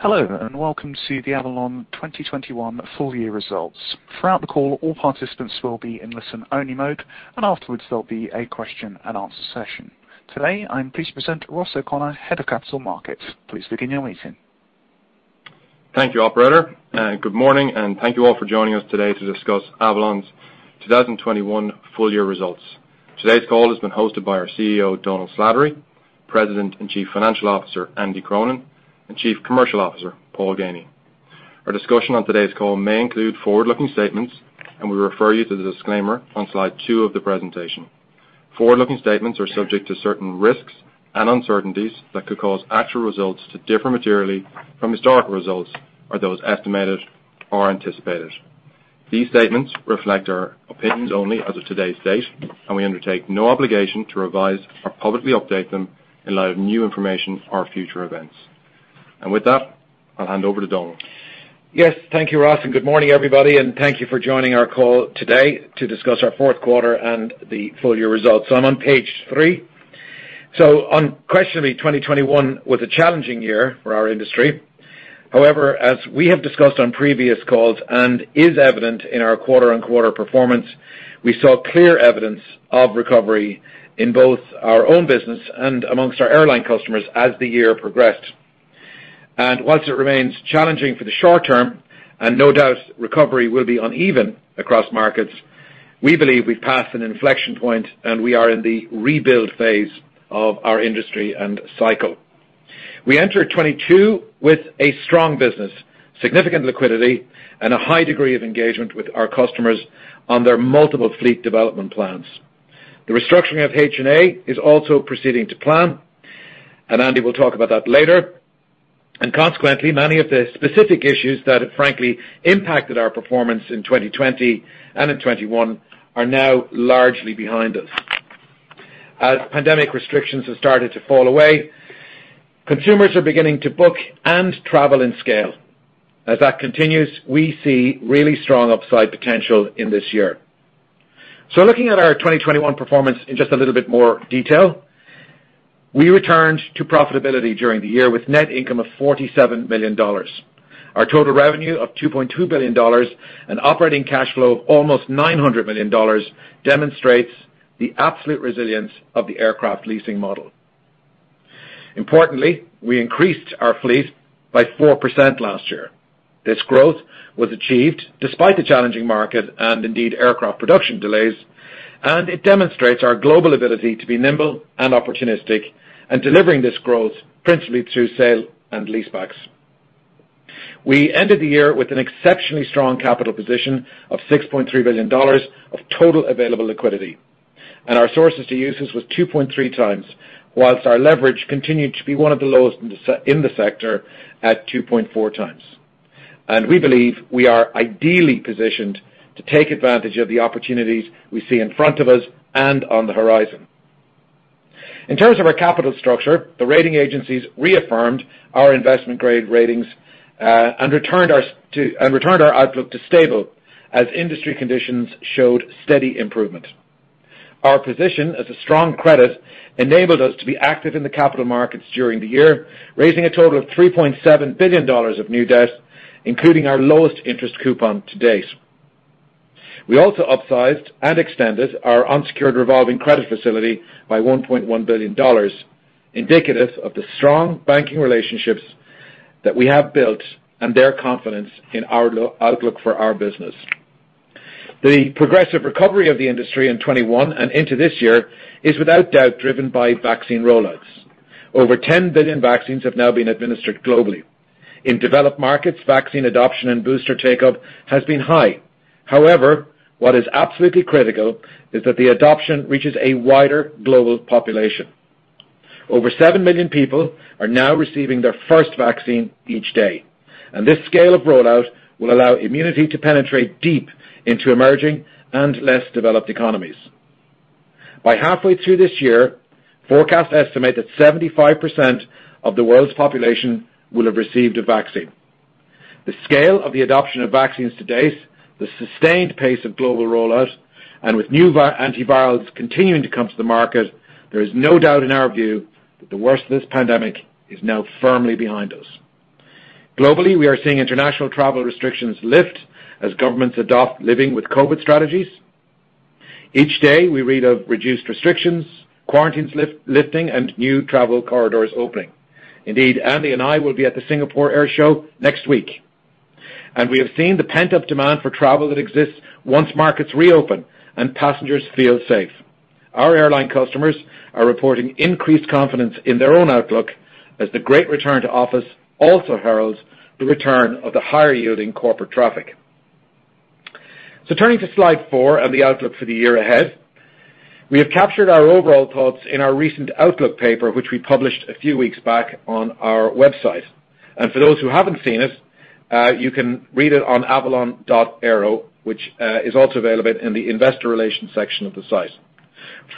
Hello, and welcome to the Avolon 2021 Full-Year Results. Throughout the call, all participants will be in listen-only mode, and afterwards, there'll be a question and answer session. Today, I'm pleased to present Ross O'Connor, Head of Capital Markets. Please begin your meeting. Thank you, operator. Good morning, and thank you all for joining us today to discuss Avolon's 2021 full year results. Today's call is being hosted by our CEO, Dómhnal Slattery, President and Chief Financial Officer, Andy Cronin, and Chief Commercial Officer, Paul Geaney. Our discussion on today's call may include forward-looking statements, and we refer you to the disclaimer on slide two of the presentation. Forward-looking statements are subject to certain risks and uncertainties that could cause actual results to differ materially from historical results or those estimated or anticipated. These statements reflect our opinions only as of today's date, and we undertake no obligation to revise or publicly update them in light of new information or future events. With that, I'll hand over to Dómhnal. Yes. Thank you, Ross, and good morning, everybody, and thank you for joining our call today to discuss our fourth quarter and the full year results. I'm on page three. Unquestionably, 2021 was a challenging year for our industry. However, as we have discussed on previous calls and is evident in our quarter-on-quarter performance, we saw clear evidence of recovery in both our own business and amongst our airline customers as the year progressed. While it remains challenging for the short term, and no doubt recovery will be uneven across markets, we believe we've passed an inflection point, and we are in the rebuild phase of our industry and cycle. We enter 2022 with a strong business, significant liquidity, and a high degree of engagement with our customers on their multiple fleet development plans. The restructuring of HNA is also proceeding to plan, and Andy will talk about that later. Consequently, many of the specific issues that have frankly impacted our performance in 2020 and in 2021 are now largely behind us. As pandemic restrictions have started to fall away, consumers are beginning to book and travel in scale. As that continues, we see really strong upside potential in this year. Looking at our 2021 performance in just a little bit more detail, we returned to profitability during the year with net income of $47 million. Our total revenue of $2.2 billion and operating cash flow of almost $900 million demonstrates the absolute resilience of the aircraft leasing model. Importantly, we increased our fleet by 4% last year. This growth was achieved despite the challenging market and indeed aircraft production delays, and it demonstrates our global ability to be nimble and opportunistic and delivering this growth principally through sale and leasebacks. We ended the year with an exceptionally strong capital position of $6.3 billion of total available liquidity, and our sources to uses was 2.3x, while our leverage continued to be one of the lowest in the sector at 2.4x. We believe we are ideally positioned to take advantage of the opportunities we see in front of us and on the horizon. In terms of our capital structure, the rating agencies reaffirmed our investment grade ratings, and returned our outlook to stable as industry conditions showed steady improvement. Our position as a strong credit enabled us to be active in the capital markets during the year, raising a total of $3.7 billion of new debt, including our lowest interest coupon to date. We also upsized and extended our unsecured revolving credit facility by $1.1 billion, indicative of the strong banking relationships that we have built and their confidence in our outlook for our business. The progressive recovery of the industry in 2021 and into this year is without doubt driven by vaccine rollouts. Over 10 billion vaccines have now been administered globally. In developed markets, vaccine adoption and booster take-up has been high. However, what is absolutely critical is that the adoption reaches a wider global population. Over seven million people are now receiving their first vaccine each day, and this scale of rollout will allow immunity to penetrate deep into emerging and less developed economies. By halfway through this year, forecasts estimate that 75% of the world's population will have received a vaccine. The scale of the adoption of vaccines to date, the sustained pace of global rollout, and new antivirals continuing to come to the market, there is no doubt in our view that the worst of this pandemic is now firmly behind us. Globally, we are seeing international travel restrictions lift as governments adopt living with COVID strategies. Each day, we read of reduced restrictions, quarantines lifting, and new travel corridors opening. Indeed, Andy and I will be at the Singapore Airshow next week, and we have seen the pent-up demand for travel that exists once markets reopen and passengers feel safe. Our airline customers are reporting increased confidence in their own outlook as the great return to office also heralds the return of the higher-yielding corporate traffic. Turning to slide four and the outlook for the year ahead. We have captured our overall thoughts in our recent outlook paper, which we published a few weeks back on our website. For those who haven't seen it, you can read it on avolon.aero, which is also available in the investor relations section of the site.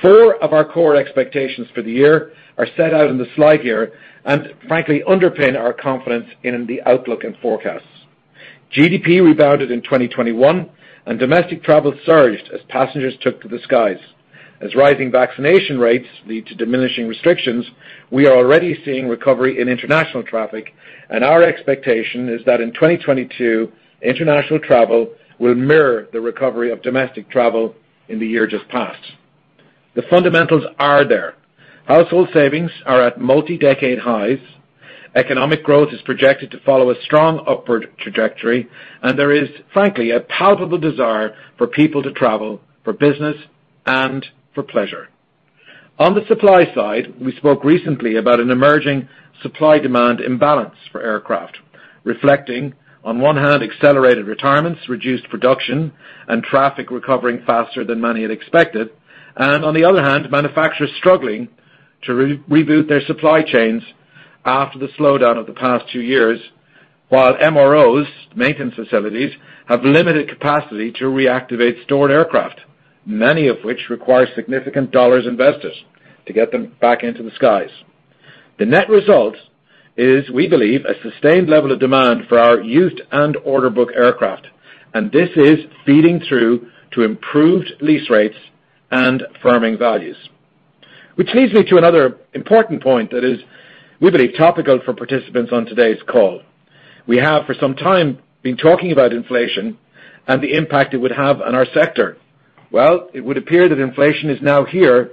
Four of our core expectations for the year are set out in the slide here and frankly underpin our confidence in the outlook and forecasts. GDP rebounded in 2021, and domestic travel surged as passengers took to the skies. As rising vaccination rates lead to diminishing restrictions, we are already seeing recovery in international traffic, and our expectation is that in 2022, international travel will mirror the recovery of domestic travel in the year just passed. The fundamentals are there. Household savings are at multi-decade highs. Economic growth is projected to follow a strong upward trajectory, and there is, frankly, a palpable desire for people to travel for business and for pleasure. On the supply side, we spoke recently about an emerging supply-demand imbalance for aircraft, reflecting, on one hand, accelerated retirements, reduced production, and traffic recovering faster than many had expected. On the other hand, manufacturers struggling to reboot their supply chains after the slowdown of the past two years, while MROs, maintenance facilities, have limited capacity to reactivate stored aircraft, many of which require significant dollars invested to get them back into the skies. The net result is, we believe, a sustained level of demand for our used and order book aircraft, and this is feeding through to improved lease rates and firming values. Which leads me to another important point that is, we believe, topical for participants on today's call. We have, for some time, been talking about inflation and the impact it would have on our sector. Well, it would appear that inflation is now here,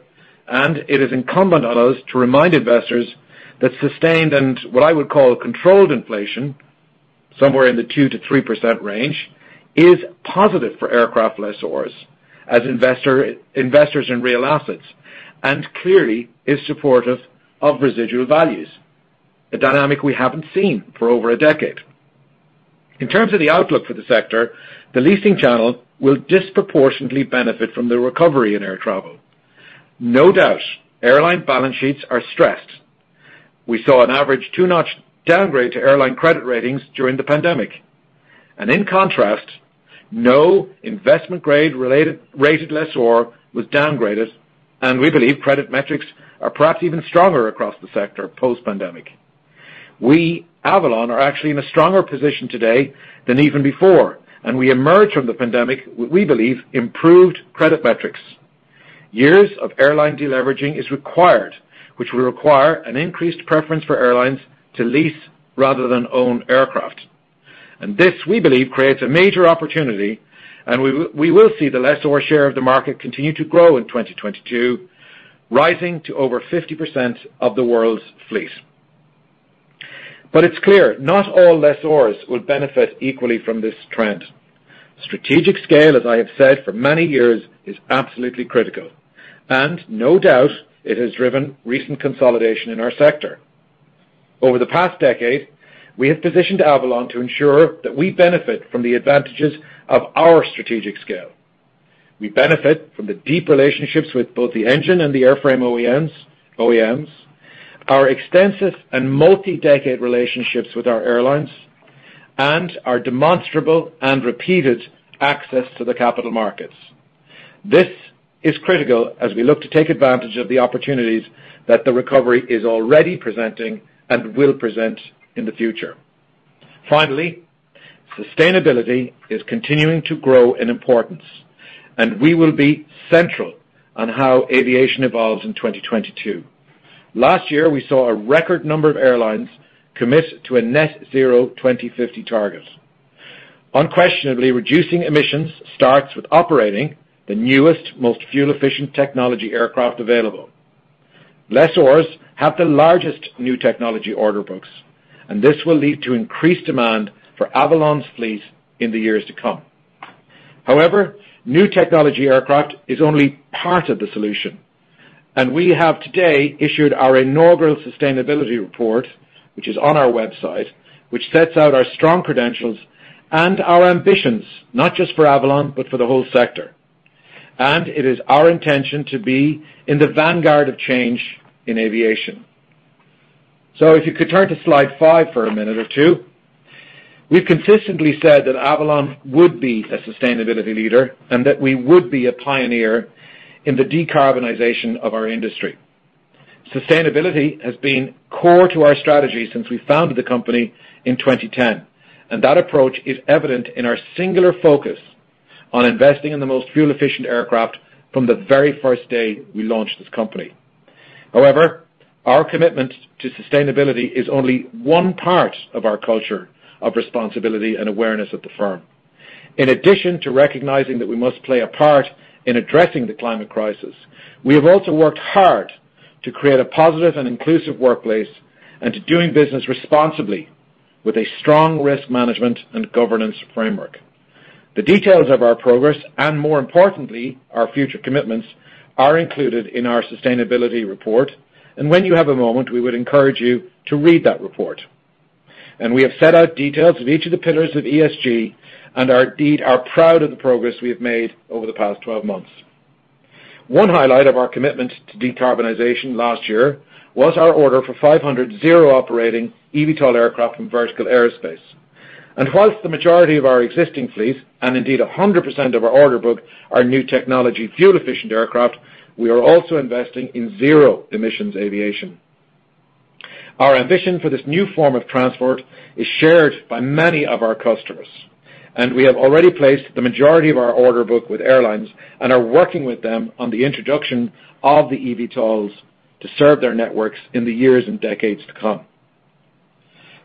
and it is incumbent on us to remind investors that sustained, and what I would call controlled inflation, somewhere in the 2%-3% range, is positive for aircraft lessors as investors in real assets, and clearly is supportive of residual values, a dynamic we haven't seen for over a decade. In terms of the outlook for the sector, the leasing channel will disproportionately benefit from the recovery in air travel. No doubt, airline balance sheets are stressed. We saw an average 2-notch downgrade to airline credit ratings during the pandemic. In contrast, no investment grade rated lessor was downgraded, and we believe credit metrics are perhaps even stronger across the sector post-pandemic. We, Avolon, are actually in a stronger position today than even before, and we emerge from the pandemic, we believe, improved credit metrics. Years of airline deleveraging is required, which will require an increased preference for airlines to lease rather than own aircraft. This, we believe, creates a major opportunity, and we will see the lessor share of the market continue to grow in 2022, rising to over 50% of the world's fleet. It's clear, not all lessors will benefit equally from this trend. Strategic scale, as I have said for many years, is absolutely critical. No doubt it has driven recent consolidation in our sector. Over the past decade, we have positioned Avolon to ensure that we benefit from the advantages of our strategic scale. We benefit from the deep relationships with both the engine and the airframe OEMs, our extensive and multi-decade relationships with our airlines, and our demonstrable and repeated access to the capital markets. This is critical as we look to take advantage of the opportunities that the recovery is already presenting and will present in the future. Finally, sustainability is continuing to grow in importance, and we will be central on how aviation evolves in 2022. Last year, we saw a record number of airlines commit to a net zero 2050 target. Unquestionably, reducing emissions starts with operating the newest, most fuel-efficient technology aircraft available. Lessors have the largest new technology order books, and this will lead to increased demand for Avolon's fleet in the years to come. However, new technology aircraft is only part of the solution. We have today issued our inaugural sustainability report, which is on our website, which sets out our strong credentials and our ambitions, not just for Avolon, but for the whole sector. It is our intention to be in the vanguard of change in aviation. If you could turn to slide five for a minute or two. We've consistently said that Avolon would be a sustainability leader and that we would be a pioneer in the decarbonization of our industry. Sustainability has been core to our strategy since we founded the company in 2010, and that approach is evident in our singular focus on investing in the most fuel-efficient aircraft from the very first day we launched this company. However, our commitment to sustainability is only one part of our culture of responsibility and awareness at the firm. In addition to recognizing that we must play a part in addressing the climate crisis, we have also worked hard to create a positive and inclusive workplace and to doing business responsibly with a strong risk management and governance framework. The details of our progress, and more importantly, our future commitments, are included in our sustainability report. When you have a moment, we would encourage you to read that report. We have set out details of each of the pillars of ESG and are indeed proud of the progress we have made over the past 12 months. One highlight of our commitment to decarbonization last year was our order for 500 zero-emission operating eVTOL aircraft from Vertical Aerospace. While the majority of our existing fleet, and indeed 100% of our order book, are new technology fuel-efficient aircraft, we are also investing in zero emissions aviation. Our ambition for this new form of transport is shared by many of our customers, and we have already placed the majority of our order book with airlines and are working with them on the introduction of the eVTOLs to serve their networks in the years and decades to come.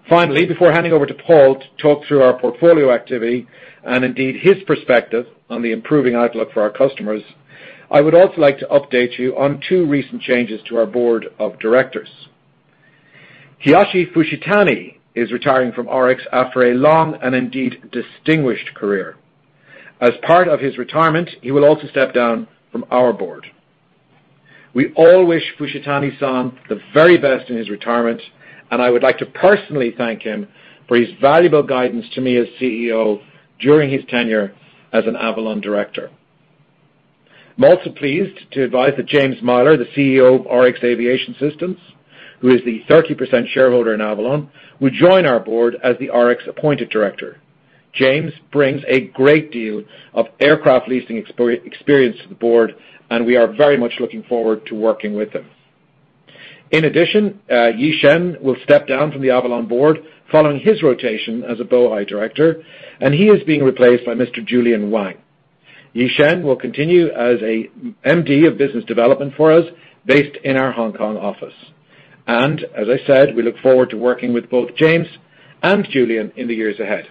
Finally, before handing over to Paul to talk through our portfolio activity and indeed his perspective on the improving outlook for our customers, I would also like to update you on two recent changes to our board of directors. Kiyoshi Fushitani is retiring from ORIX after a long and indeed distinguished career. As part of his retirement, he will also step down from our board. We all wish Fushitani san the very best in his retirement, and I would like to personally thank him for his valuable guidance to me as CEO during his tenure as an Avolon director. I'm also pleased to advise that James Meyler, the CEO of ORIX Aviation Systems, who is the 30% shareholder in Avolon, will join our board as the ORIX-appointed director. James brings a great deal of aircraft leasing experience to the board, and we are very much looking forward to working with him. In addition, Yi Shen will step down from the Avolon board following his rotation as a Bohai director, and he is being replaced by Mr. Julian Wang. Yi Shen will continue as a MD of business development for us based in our Hong Kong office. As I said, we look forward to working with both James and Julian in the years ahead.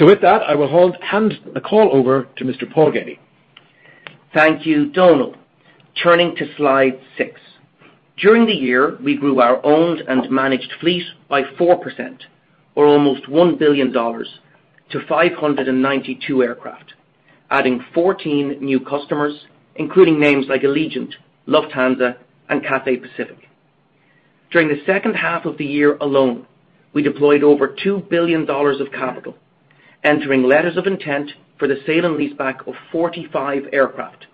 With that, I will hand the call over to Mr. Paul Geaney. Thank you, Dómhnal. Turning to slide six. During the year, we grew our owned and managed fleet by 4% or almost $1 billion to 592 aircraft, adding 14 new customers, including names like Allegiant, Lufthansa, and Cathay Pacific. During the second half of the year alone, we deployed over $2 billion of capital, entering letters of intent for the sale and lease back of 45 aircraft.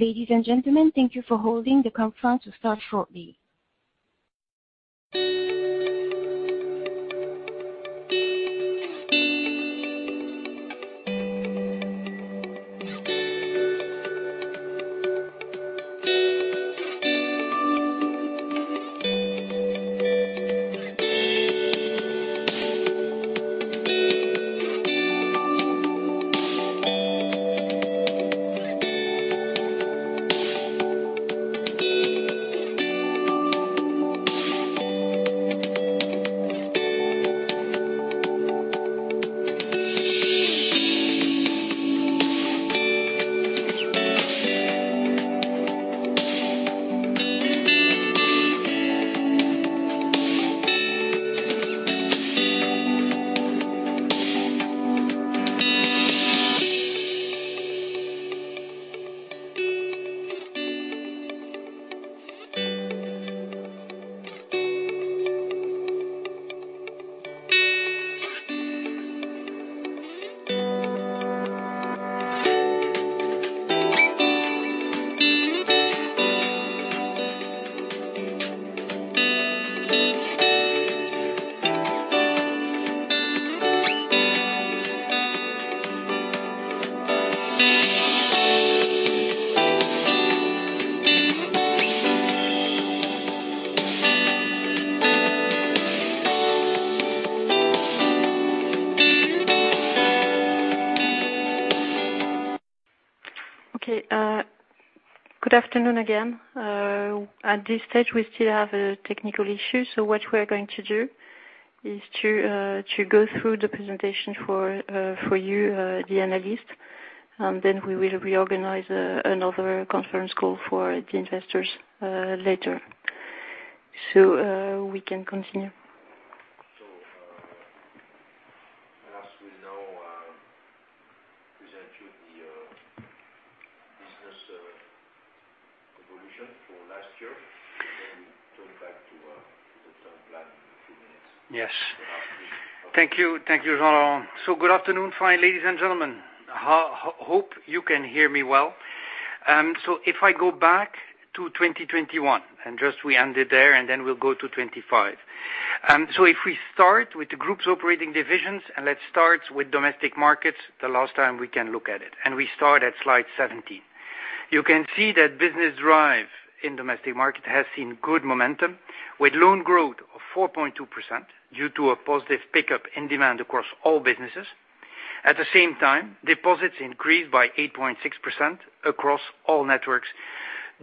Okay. Good afternoon again. At this stage, we still have a technical issue, so what we are going to do is to go through the presentation for you, the analyst, and then we will reorganize another conference call for the investors later. We can continue. Lars, we'll now present to you the business evolution for last year, and then we turn back to the timeline in a few minutes. Yes. Thank you. Thank you, Jean. Good afternoon, fine ladies and gentlemen. Hope you can hear me well. If I go back to 2021, and just we ended there, and then we'll go to 2025. If we start with the group's operating divisions, and let's start with domestic markets, the last time we can look at it, and we start at slide 17. You can see that business drive in domestic market has seen good momentum with loan growth of 4.2% due to a positive pickup in demand across all businesses. At the same time, deposits increased by 8.6% across all networks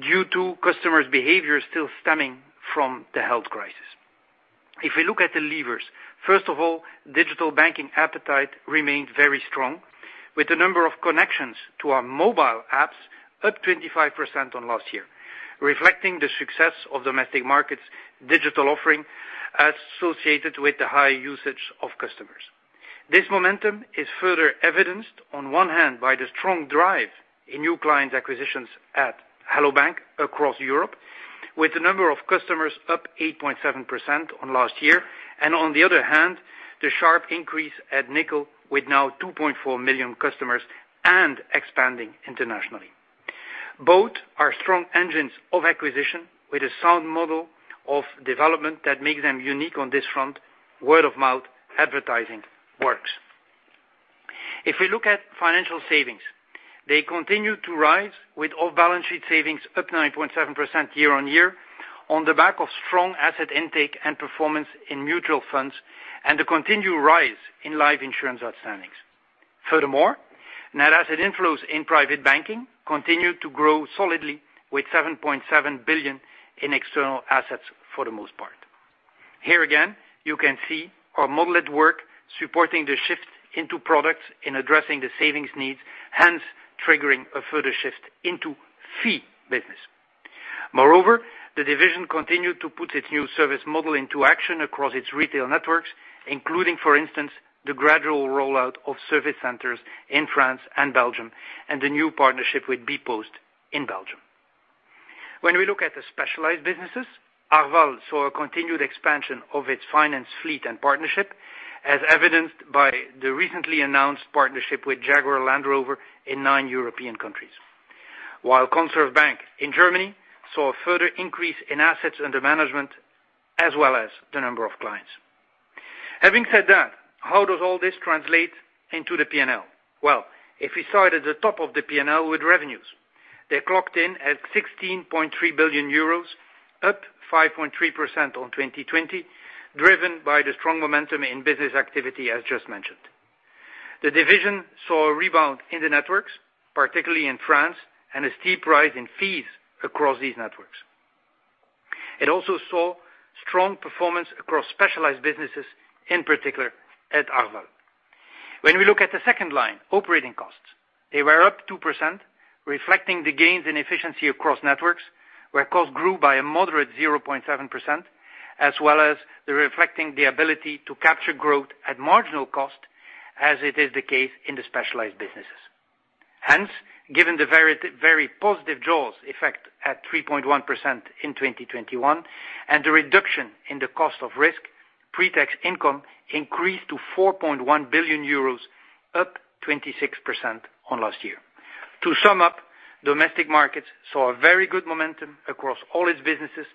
due to customers' behavior still stemming from the health crisis. If we look at the levers, first of all, digital banking appetite remained very strong, with the number of connections to our mobile apps up 25% on last year, reflecting the success of domestic markets' digital offering associated with the high usage of customers. This momentum is further evidenced on one hand by the strong drive in new client acquisitions at Hello bank! across Europe, with the number of customers up 8.7% on last year. On the other hand, the sharp increase at Nickel, with now 2.4 million customers and expanding internationally. Both are strong engines of acquisition with a sound model of development that makes them unique on this front. Word of mouth advertising works. If we look at financial savings, they continue to rise with off-balance sheet savings up 9.7% year-on-year on the back of strong asset intake and performance in mutual funds and the continued rise in life insurance outstandings. Furthermore, net asset inflows in private banking continued to grow solidly with 7.7 billion in external assets for the most part. Here again, you can see our model at work supporting the shift into products in addressing the savings needs, hence triggering a further shift into fee business. Moreover, the division continued to put its new service model into action across its retail networks, including, for instance, the gradual rollout of service centers in France and Belgium, and the new partnership with bpost in Belgium. When we look at the specialized businesses, Arval saw a continued expansion of its financed fleet and partnerships, as evidenced by the recently announced partnership with Jaguar Land Rover in nine European countries. While Consorsbank in Germany saw a further increase in assets under management as well as the number of clients. Having said that, how does all this translate into the P&L? Well, if we start at the top of the P&L with revenues, they clocked in at 16.3 billion euros, up 5.3% on 2020, driven by the strong momentum in business activity, as just mentioned. The division saw a rebound in the networks, particularly in France, and a steep rise in fees across these networks. It also saw strong performance across specialized businesses, in particular at Arval. When we look at the second line, operating costs, they were up 2%, reflecting the gains in efficiency across networks, where costs grew by a moderate 0.7%, as well as reflecting the ability to capture growth at marginal cost, as it is the case in the specialized businesses. Hence, given the very, very positive jaws effect at 3.1% in 2021 and the reduction in the cost of risk, pre-tax income increased to 4.1 billion euros, up 26% on last year. To sum up, domestic markets saw a very good momentum across all its businesses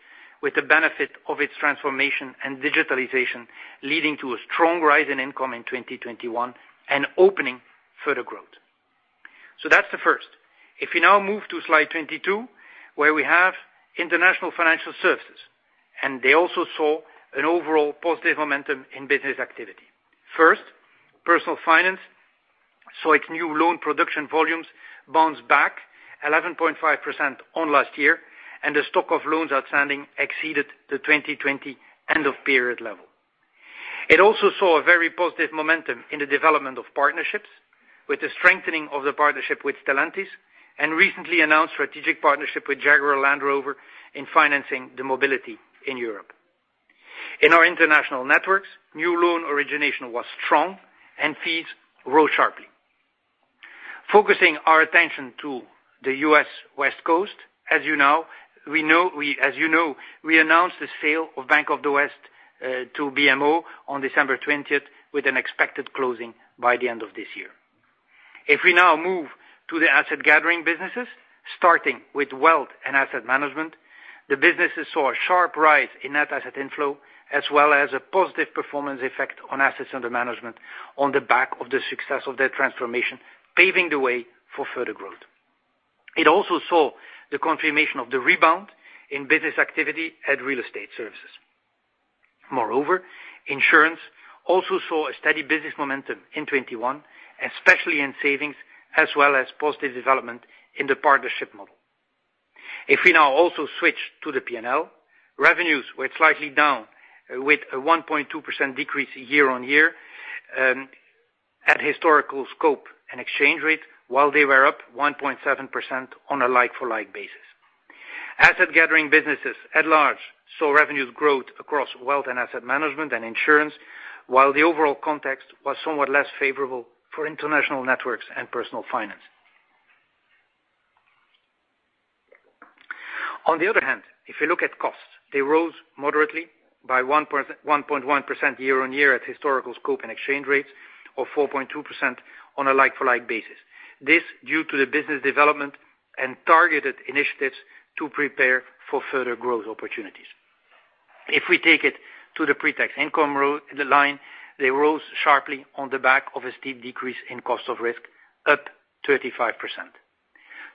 with the benefit of its transformation and digitalization, leading to a strong rise in income in 2021 and opening further growth. That's the first. If we now move to slide 22, where we have International Financial Services, and they also saw an overall positive momentum in business activity. First, Personal Finance saw its new loan production volumes bounce back 11.5% on last year, and the stock of loans outstanding exceeded the 2020 end-of-period level. It also saw a very positive momentum in the development of partnerships with the strengthening of the partnership with Stellantis and recently announced strategic partnership with Jaguar Land Rover in financing the mobility in Europe. In our international networks, new loan origination was strong and fees rose sharply. Focusing our attention to the U.S. West Coast, as you know, we announced the sale of Bank of the West to BMO on December 20th, with an expected closing by the end of this year. If we now move to the asset gathering businesses, starting with wealth and asset management, the businesses saw a sharp rise in net asset inflow, as well as a positive performance effect on assets under management on the back of the success of their transformation, paving the way for further growth. It also saw the confirmation of the rebound in business activity at real estate services. Moreover, insurance also saw a steady business momentum in 2021, especially in savings as well as positive development in the partnership model. If we now also switch to the P&L, revenues were slightly down with a 1.2% decrease year on year at historical scope and exchange rate while they were up 1.7% on a like-for-like basis. Asset gathering businesses at large saw revenues growth across wealth and asset management and insurance, while the overall context was somewhat less favorable for international networks and personal finance. On the other hand, if you look at costs, they rose moderately by 1.1% year-on-year at historical scope and exchange rates of 4.2% on a like-for-like basis. This due to the business development and targeted initiatives to prepare for further growth opportunities. If we take it to the pre-tax income row, the line, they rose sharply on the back of a steep decrease in cost of risk, up 35%.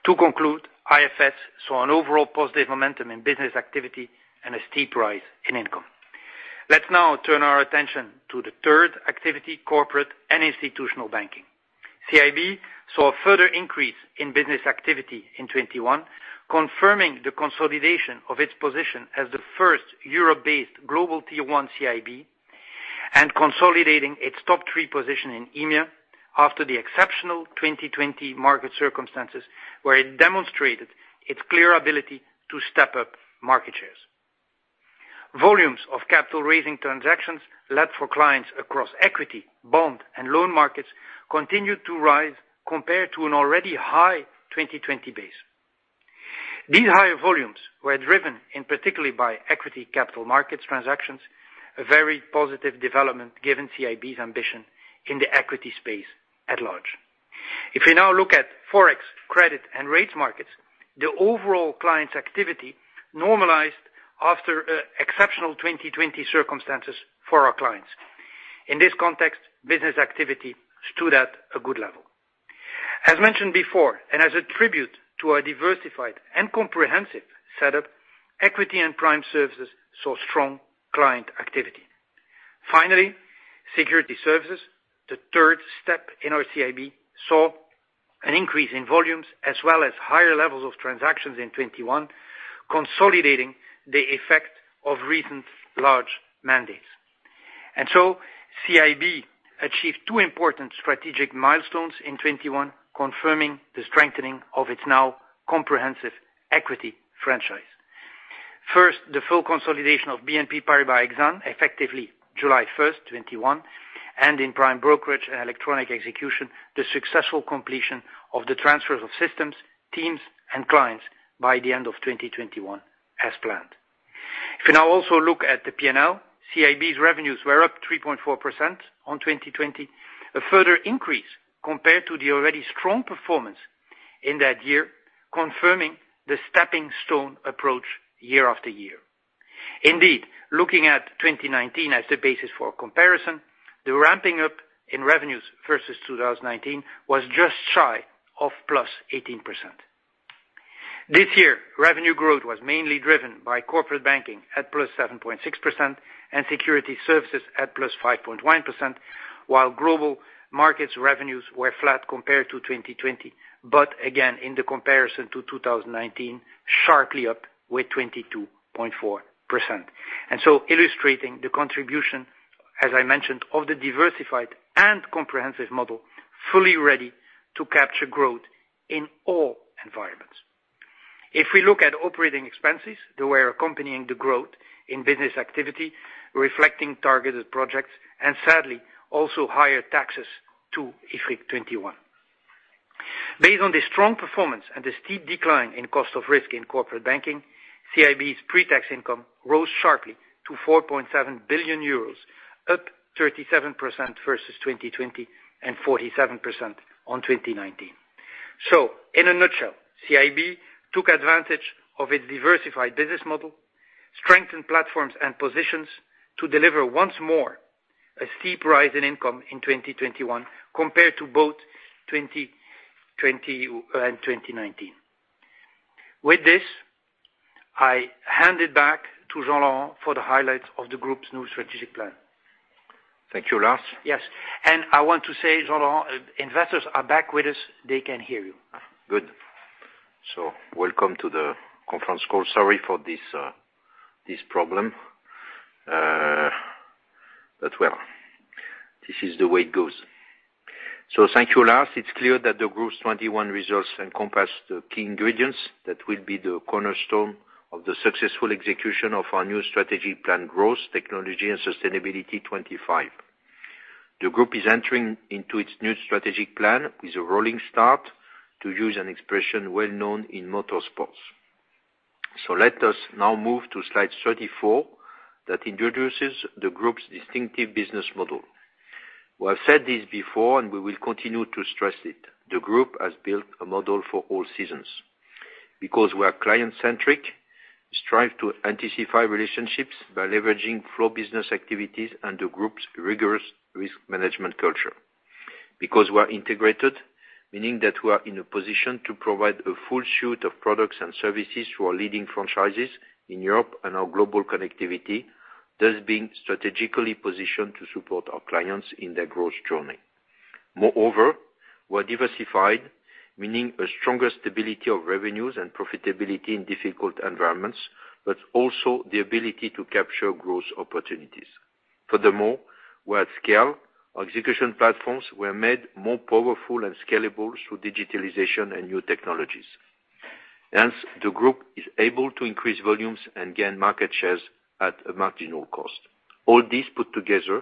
To conclude, IFS saw an overall positive momentum in business activity and a steep rise in income. Let's now turn our attention to the third activity, corporate and institutional banking. CIB saw a further increase in business activity in 2021, confirming the consolidation of its position as the first Europe-based global tier one CIB, and consolidating its top three position in EMEA after the exceptional 2020 market circumstances where it demonstrated its clear ability to step up market shares. Volumes of capital raising transactions led for clients across equity, bond, and loan markets continued to rise compared to an already high 2020 base. These higher volumes were driven particularly by equity capital markets transactions, a very positive development given CIB's ambition in the equity space at large. If you now look at Forex credit and rates markets, the overall client's activity normalized after exceptional 2020 circumstances for our clients. In this context, business activity stood at a good level. As mentioned before, and as a tribute to our diversified and comprehensive setup, equity and prime services saw strong client activity. Finally, security services, the third step in our CIB, saw an increase in volumes as well as higher levels of transactions in 2021, consolidating the effect of recent large mandates. CIB achieved two important strategic milestones in 2021, confirming the strengthening of its now comprehensive equity franchise. First, the full consolidation of BNP Paribas Exane, effectively July 1st, 2021, and in prime brokerage and electronic execution, the successful completion of the transfers of systems, teams, and clients by the end of 2021 as planned. If you now also look at the P&L, CIB's revenues were up 3.4% on 2020. A further increase compared to the already strong performance in that year, confirming the stepping stone approach year after year. Indeed, looking at 2019 as the basis for comparison, the ramping up in revenues versus 2019 was just shy of +18%. This year, revenue growth was mainly driven by corporate banking at +7.6% and security services at +5.1%, while global markets revenues were flat compared to 2020. Again, in the comparison to 2019, sharply up with 22.4%. Illustrating the contribution, as I mentioned, of the diversified and comprehensive model, fully ready to capture growth in all environments. If we look at operating expenses, they were accompanying the growth in business activity, reflecting targeted projects, and sadly, also higher taxes to IFRIC 21. Based on the strong performance and the steep decline in cost of risk in corporate banking, CIB's pre-tax income rose sharply to 4.7 billion euros, up 37% versus 2020 and 47% on 2019. In a nutshell, CIB took advantage of its diversified business model, strengthened platforms and positions to deliver once more a steep rise in income in 2021 compared to both 2020 and 2019. With this, I hand it back to Jean-Laurent for the highlights of the group's new strategic plan. Thank you, Lars. Yes. I want to say, Jean-Laurent, investors are back with us. They can hear you. Good. Welcome to the conference call. Sorry for this problem. But, well, this is the way it goes. Thank you, Lars. It's clear that the group's 2021 results encompass the key ingredients that will be the cornerstone of the successful execution of our new strategic plan, Growth, Technology and Sustainability 2025. The group is entering into its new strategic plan with a rolling start, to use an expression well-known in motorsports. Let us now move to slide 34, that introduces the group's distinctive business model. We have said this before, and we will continue to stress it, the group has built a model for all seasons. Because we are client-centric, we strive to anticipate relationships by leveraging flow business activities and the group's rigorous risk management culture. Because we are integrated, meaning that we are in a position to provide a full suite of products and services to our leading franchises in Europe and our global connectivity, thus being strategically positioned to support our clients in their growth journey. Moreover, we're diversified, meaning a stronger stability of revenues and profitability in difficult environments, but also the ability to capture growth opportunities. Furthermore, we are at scale. Our execution platforms were made more powerful and scalable through digitalization and new technologies. Hence, the group is able to increase volumes and gain market shares at a marginal cost. All these put together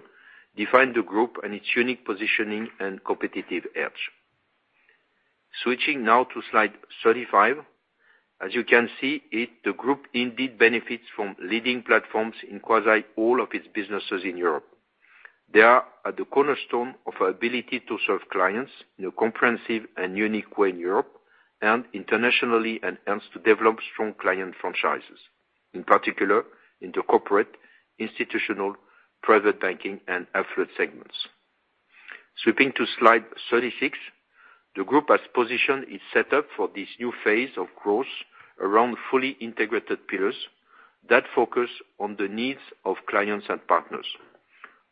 define the group and its unique positioning and competitive edge. Switching now to slide 35. As you can see it, the group indeed benefits from leading platforms in quasi all of its businesses in Europe. They are at the cornerstone of our ability to serve clients in a comprehensive and unique way in Europe and internationally, and hence to develop strong client franchises, in particular in the corporate, institutional, private banking, and affluent segments. Switching to slide 36. The group has positioned its set up for this new phase of growth around fully integrated pillars that focus on the needs of clients and partners.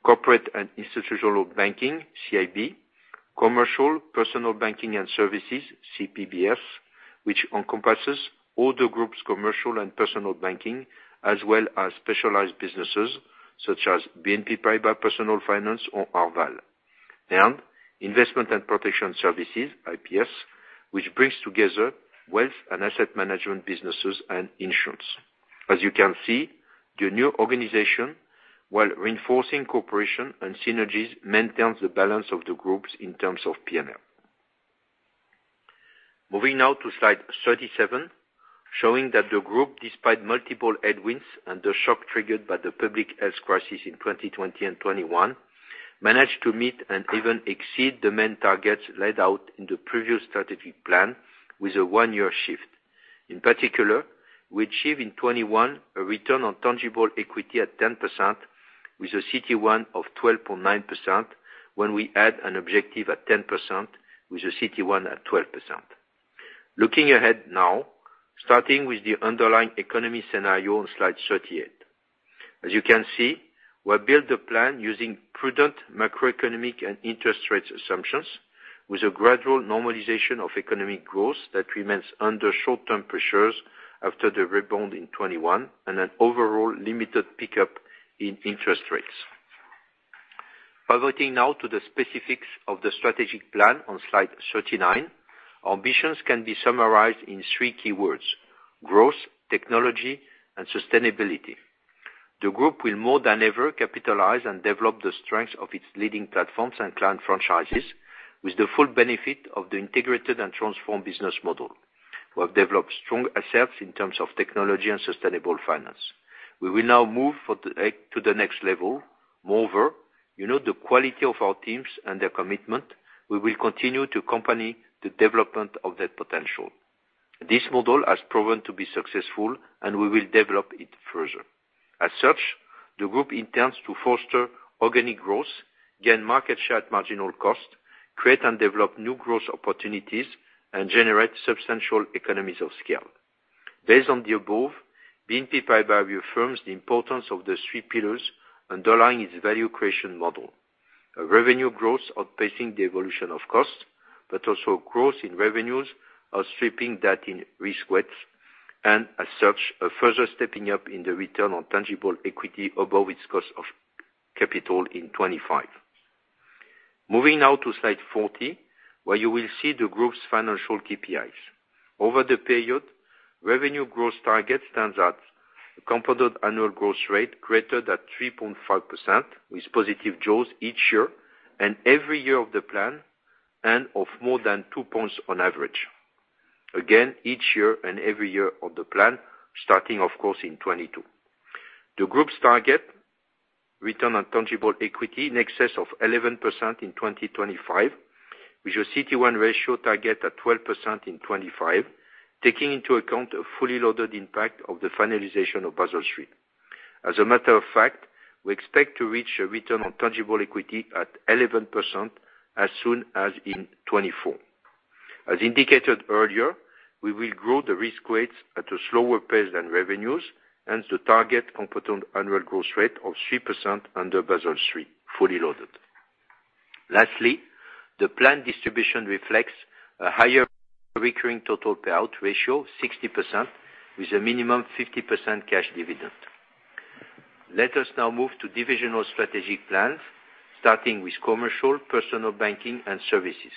Corporate and Institutional Banking, CIB, Commercial, Personal Banking and Services, CPBS, which encompasses all the group's commercial and personal banking, as well as specialized businesses such as BNP Paribas Personal Finance or Arval. Investment and Protection Services, IPS, which brings together wealth and asset management businesses and insurance. As you can see, the new organization, while reinforcing cooperation and synergies, maintains the balance of the group's in terms of P&L. Moving now to slide 37, showing that the group, despite multiple headwinds and the shock triggered by the public health crisis in 2020 and 2021, managed to meet and even exceed the main targets laid out in the previous strategic plan with a one-year shift. In particular, we achieve in 2021, a return on tangible equity at 10% with a CET1 of 12.9% when we add an objective at 10% with a CET1 at 12%. Looking ahead now, starting with the underlying economy scenario on slide 38. As you can see, we build the plan using prudent macroeconomic and interest rates assumptions with a gradual normalization of economic growth that remains under short-term pressures after the rebound in 2021, and an overall limited pickup in interest rates. Pivoting now to the specifics of the strategic plan on slide 39, our ambitions can be summarized in three keywords. Growth, Technology, and Sustainability. The group will more than ever capitalize and develop the strengths of its leading platforms and client franchises with the full benefit of the integrated and transformed business model. We have developed strong assets in terms of technology and sustainable finance. We will now move to the next level. Moreover, you know the quality of our teams and their commitment. We will continue to accompany the development of that potential. This model has proven to be successful, and we will develop it further. As such, the group intends to foster organic growth, gain market share at marginal cost, create and develop new growth opportunities, and generate substantial economies of scale. Based on the above, BNP Paribas affirms the importance of the three pillars underlying its value creation model. Revenue growth outpacing the evolution of costs, but also growth in revenues outstripping that in risk weights, and as such, a further stepping up in the return on tangible equity above its cost of capital in 2025. Moving now to slide 40, where you will see the group's financial KPIs. Over the period, revenue growth target stands at a compounded annual growth rate greater than 3.5%, with positive jaws each year and every year of the plan, and of more than 2-points on average. Again, each year and every year of the plan, starting of course, in 2022. The group's target return on tangible equity in excess of 11% in 2025, with your CET1 ratio target at 12% in 2025, taking into account a fully loaded impact of the finalization of Basel III. As a matter of fact, we expect to reach a return on tangible equity at 11% as soon as in 2024. As indicated earlier, we will grow the risk weights at a slower pace than revenues, hence the target compounded annual growth rate of 3% under Basel III, fully loaded. Lastly, the plan distribution reflects a higher recurring total payout ratio, 60%, with a minimum 50% cash dividend. Let us now move to divisional strategic plans, starting with Commercial, Personal Banking and Services.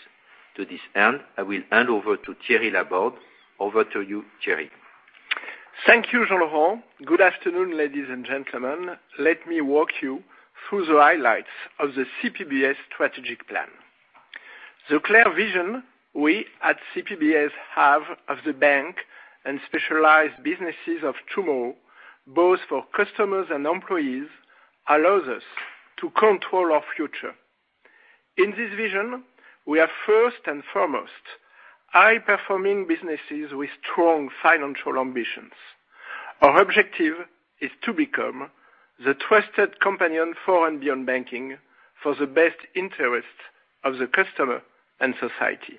To this end, I will hand over to Thierry Laborde. Over to you, Thierry. Thank you, Jean-Laurent. Good afternoon, ladies and gentlemen. Let me walk you through the highlights of the CPBS strategic plan. The clear vision we at CPBS have of the bank and specialized businesses of tomorrow, both for customers and employees, allows us to control our future. In this vision, we are first and foremost, high-performing businesses with strong financial ambitions. Our objective is to become the trusted companion for and beyond banking for the best interest of the customer and society.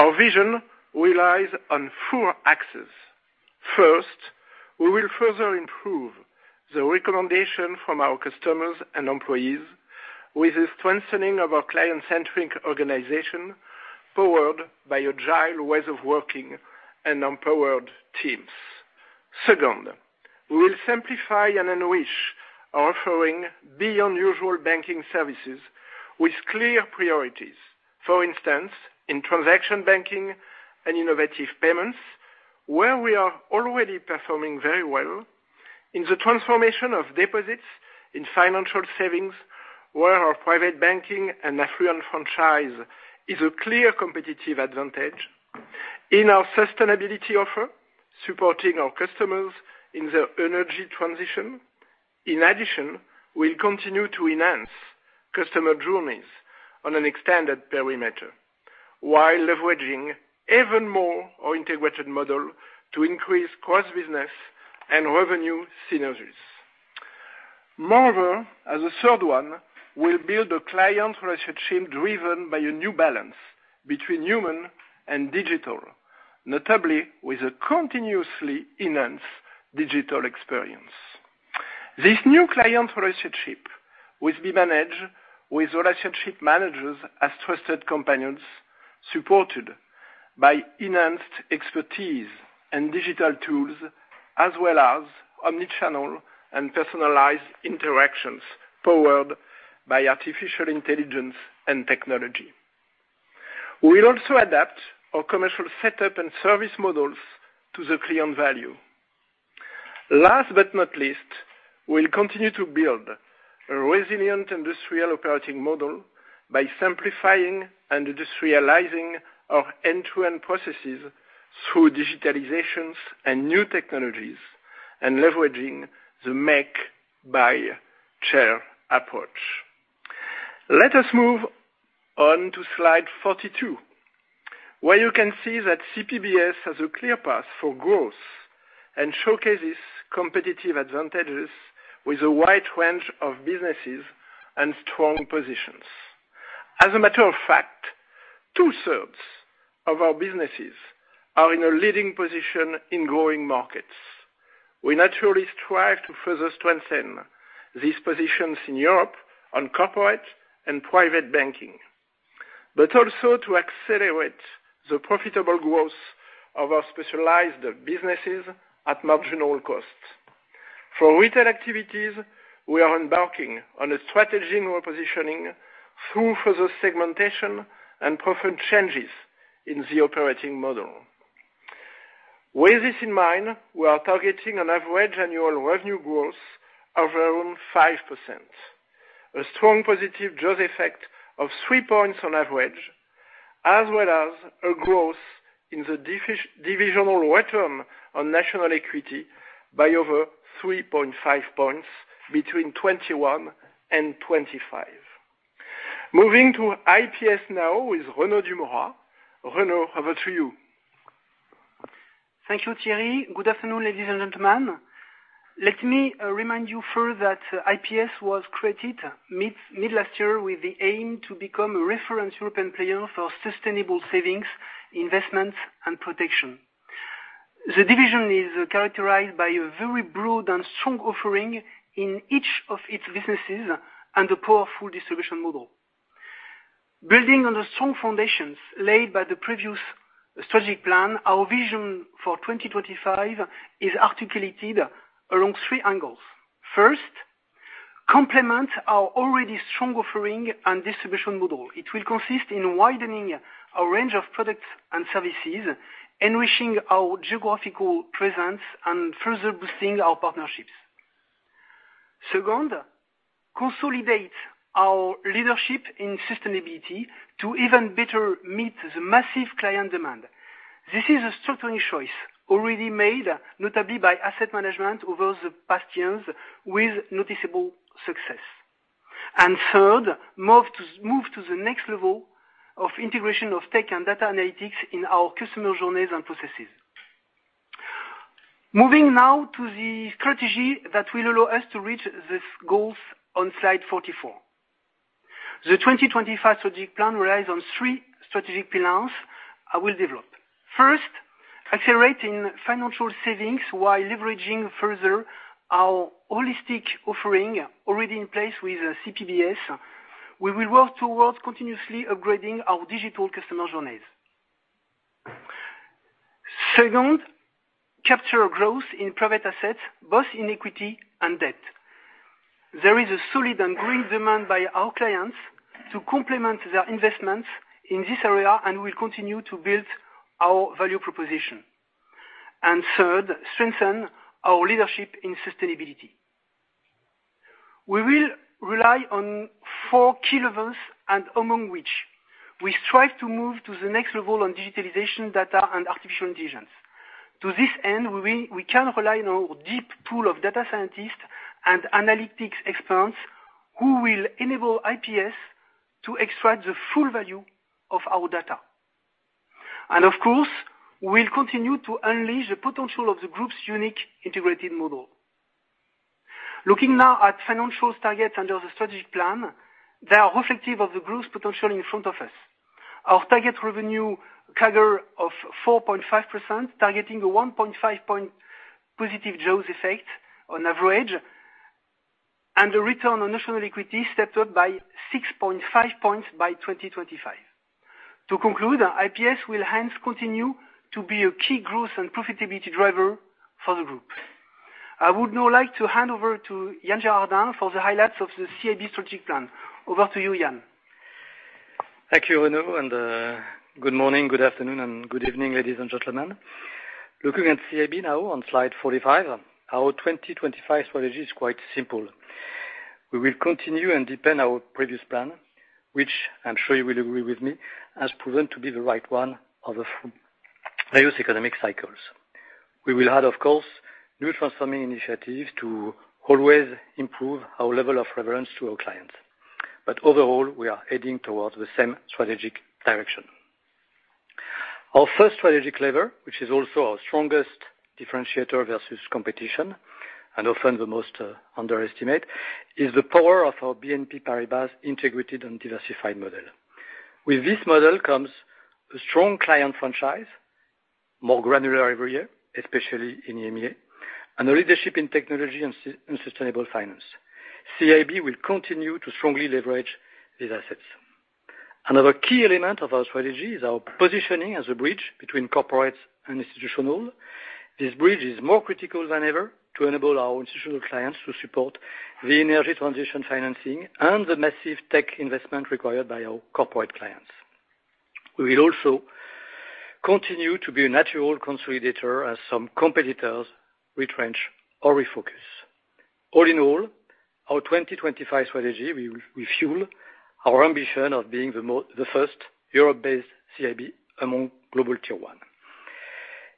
Our vision relies on four axes. First, we will further improve the recommendation from our customers and employees with the strengthening of our client-centric organization, powered by agile ways of working and empowered teams. Second, we will simplify and enrich our offering beyond usual banking services with clear priorities. For instance, in transaction banking and innovative payments, where we are already performing very well. In the transformation of deposits in financial savings, where our private banking and affluent franchise is a clear competitive advantage. In our sustainability offer, supporting our customers in their energy transition. In addition, we'll continue to enhance customer journeys on an extended perimeter, while leveraging even more our integrated model to increase cross-business and revenue synergies. Moreover, as a third one, we'll build a client relationship driven by a new balance between human and digital, notably with a continuously enhanced digital experience. This new client relationship will be managed with relationship managers as trusted companions, supported by enhanced expertise and digital tools, as well as omni-channel and personalized interactions powered by artificial intelligence and technology. We'll also adapt our commercial setup and service models to the client value. Last but not least, we'll continue to build a resilient industrial operating model by simplifying and industrializing our end-to-end processes through digitalizations and new technologies, and leveraging the make by share approach. Let us move on to slide 42, where you can see that CPBS has a clear path for growth and showcases competitive advantages with a wide range of businesses and strong positions. As a matter of fact, two-thirds of our businesses are in a leading position in growing markets. We naturally strive to further strengthen these positions in Europe on corporate and private banking, but also to accelerate the profitable growth of our specialized businesses at marginal costs. For retail activities, we are embarking on a strategy repositioning through further segmentation and profit changes in the operating model. With this in mind, we are targeting an average annual revenue growth of around 5%, a strong positive jaws effect of 3-points on average, as well as a growth in the divisional return on national equity by over 3.5-points between 2021 and 2025. Moving to IFS now with Renaud Dumora. Renaud, over to you. Thank you, Thierry. Good afternoon, ladies and gentlemen. Let me remind you first that IPS was created mid last year with the aim to become a reference European player for sustainable savings, investments, and protection. The division is characterized by a very broad and strong offering in each of its businesses and a powerful distribution model. Building on the strong foundations laid by the previous strategic plan, our vision for 2025 is articulated along three angles. First, complement our already strong offering and distribution model. It will consist in widening a range of products and services, enriching our geographical presence, and further boosting our partnerships. Second, consolidate our leadership in sustainability to even better meet the massive client demand. This is a certain choice already made, notably by asset management over the past years with noticeable success. Third, move to the next level of integration of tech and data analytics in our customer journeys and processes. Moving now to the strategy that will allow us to reach these goals on slide 44. The 2025 strategic plan relies on three strategic pillars I will develop. First, accelerating financial savings while leveraging further our holistic offering already in place with CPBS. We will work towards continuously upgrading our digital customer journeys. Second, capture growth in private assets, both in equity and debt. There is a solid and growing demand by our clients to complement their investments in this area, and we'll continue to build our value proposition. Third, strengthen our leadership in sustainability. We will rely on four key levers, and among which we strive to move to the next level on digitalization data and artificial intelligence. To this end, we can rely on our deep pool of data scientists and analytics experts who will enable IPS to extract the full value of our data. Of course, we'll continue to unleash the potential of the group's unique integrated model. Looking now at financials targets under the strategic plan, they are reflective of the group's potential in front of us. Our target revenue CAGR of 4.5%, targeting a 1.5-point positive jaws effect on average, and a return on notional equity stepped up by 6.5-points by 2025. To conclude, IPS will hence continue to be a key growth and profitability driver for the group. I would now like to hand over to Yann Gérardin for the highlights of the CIB strategic plan. Over to you, Yann. Thank you, Renaud, and good morning, good afternoon, and good evening, ladies and gentlemen. Looking at CIB now on slide 45, our 2025 strategy is quite simple. We will continue and deepen our previous plan, which I'm sure you will agree with me has proven to be the right one over various economic cycles. We will add, of course, new transformational initiatives to always improve our level of relevance to our clients. Overall, we are heading towards the same strategic direction. Our first strategic lever, which is also our strongest differentiator versus competition, and often the most underestimated, is the power of our BNP Paribas integrated and diversified model. With this model comes a strong client franchise, more granular every year, especially in EMEA, and a leadership in technology and sustainable finance. CIB will continue to strongly leverage these assets. Another key element of our strategy is our positioning as a bridge between corporates and institutional. This bridge is more critical than ever to enable our institutional clients to support the energy transition financing and the massive tech investment required by our corporate clients. We will also continue to be a natural consolidator as some competitors retrench or refocus. All in all, our 2025 strategy will refuel our ambition of being the first Europe-based CIB among global tier one.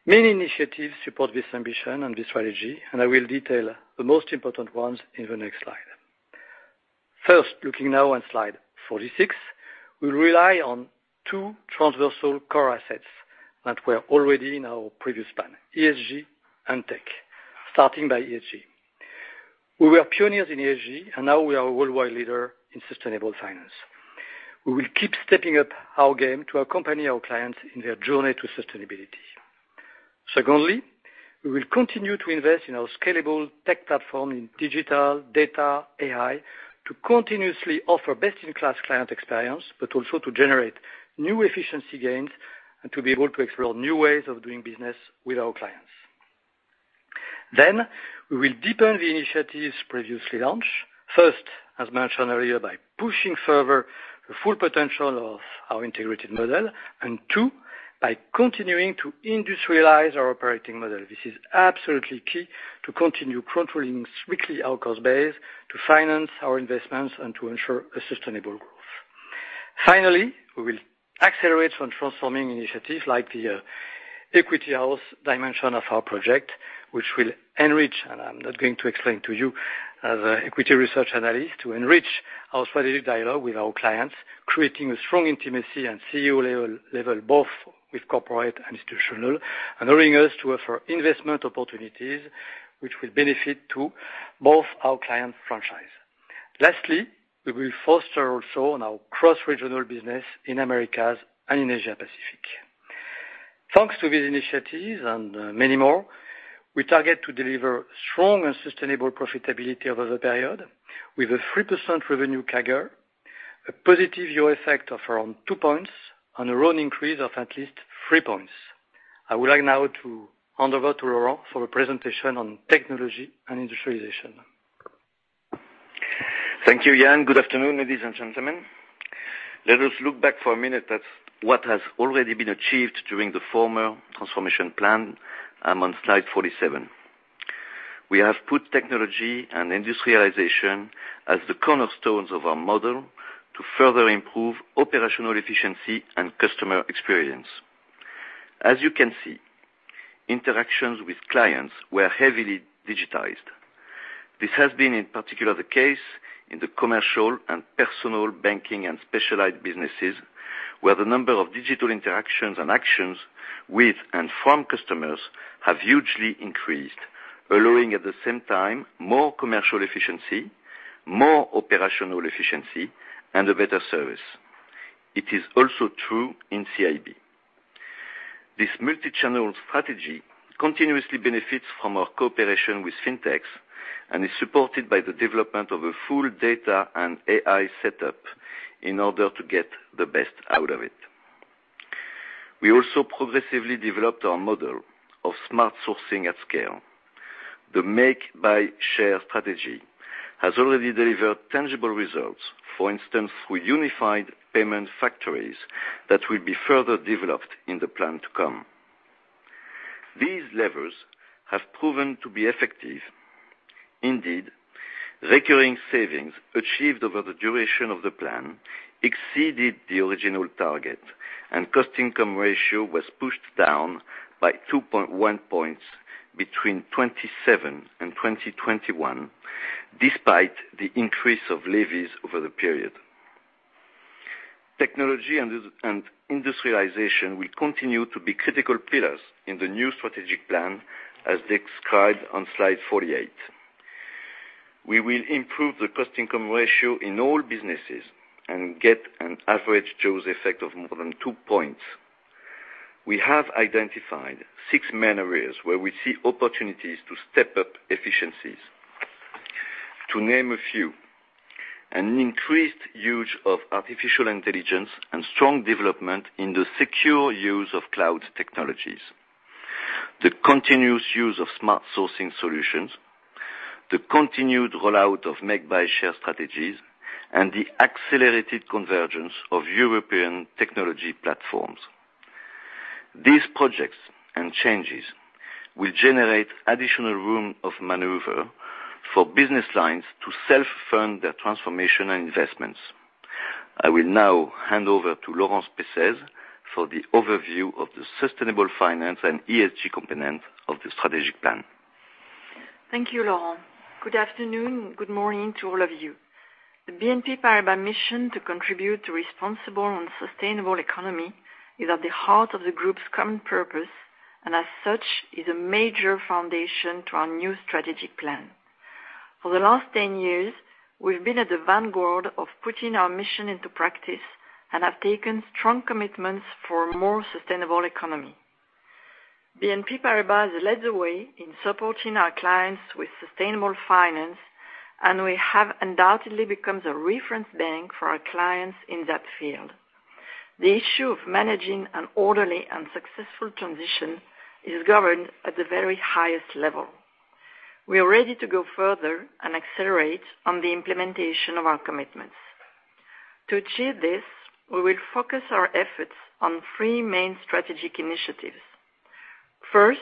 Many initiatives support this ambition and this strategy, and I will detail the most important ones in the next slide. First, looking now on slide 46, we rely on two transversal core assets that were already in our previous plan, ESG and tech. Starting by ESG. We were pioneers in ESG, and now we are a worldwide leader in sustainable finance. We will keep stepping up our game to accompany our clients in their journey to sustainability. Secondly, we will continue to invest in our scalable tech platform in digital, data, AI, to continuously offer best-in-class client experience, but also to generate new efficiency gains and to be able to explore new ways of doing business with our clients. We will deepen the initiatives previously launched, first, as mentioned earlier, by pushing further the full potential of our integrated model, and two, by continuing to industrialize our operating model. This is absolutely key to continue controlling strictly our cost base, to finance our investments, and to ensure a sustainable growth. Finally, we will accelerate on transforming initiatives like the equity house dimension of our project, which will enrich, and I'm not going to explain to you as an Equity Research Analyst, to enrich our strategic dialogue with our clients, creating a strong intimacy and CEO-level both with corporate and institutional, enabling us to offer investment opportunities which will benefit both our client franchise. We will foster also on our cross-regional business in Americas and in Asia Pacific. Thanks to these initiatives and many more, we target to deliver strong and sustainable profitability over the period with a 3% revenue CAGR, a positive year effect of around 2-points, and ROTE increase of at least 3-points. I would like now to hand over to Laurent for a presentation on technology and industrialization. Thank you, Yann. Good afternoon, ladies and gentlemen. Let us look back for a minute at what has already been achieved during the former transformation plan on slide 47. We have put technology and industrialization as the cornerstones of our model to further improve operational efficiency and customer experience. As you can see, interactions with clients were heavily digitized. This has been in particular the case in the commercial and personal banking and specialized businesses, where the number of digital interactions and actions with and from customers have hugely increased, allowing at the same time more commercial efficiency, more operational efficiency, and a better service. It is also true in CIB. This multi-channel strategy continuously benefits from our cooperation with fintechs and is supported by the development of a full data and AI setup in order to get the best out of it. We also progressively developed our model of smart sourcing at scale. The make-buy-share strategy has already delivered tangible results, for instance, with unified payment factories that will be further developed in the plan to come. These levers have proven to be effective. Indeed, recurring savings achieved over the duration of the plan exceeded the original target, and cost-income ratio was pushed down by 2.1-points between 2017 and 2021, despite the increase of levies over the period. Technology and industrialization will continue to be critical pillars in the new strategic plan, as described on slide 48. We will improve the cost-income ratio in all businesses and get an average jaws effect of more than 2-points. We have identified six main areas where we see opportunities to step up efficiencies. To name a few, an increased use of artificial intelligence and strong development in the secure use of cloud technologies, the continuous use of smart sourcing solutions, the continued rollout of make-buy-share strategies, and the accelerated convergence of European technology platforms. These projects and changes will generate additional room of maneuver for business lines to self-fund their transformation and investments. I will now hand over to Laurence Pessez for the overview of the sustainable finance and ESG component of the strategic plan. Thank you, Laurent. Good afternoon. Good morning to all of you. The BNP Paribas mission to contribute to responsible and sustainable economy is at the heart of the group's common purpose, and as such, is a major foundation to our new strategic plan. For the last 10 years, we've been at the vanguard of putting our mission into practice and have taken strong commitments for more sustainable economy. BNP Paribas has led the way in supporting our clients with sustainable finance, and we have undoubtedly become the reference bank for our clients in that field. The issue of managing an orderly and successful transition is governed at the very highest level. We are ready to go further and accelerate on the implementation of our commitments. To achieve this, we will focus our efforts on three main strategic initiatives. First,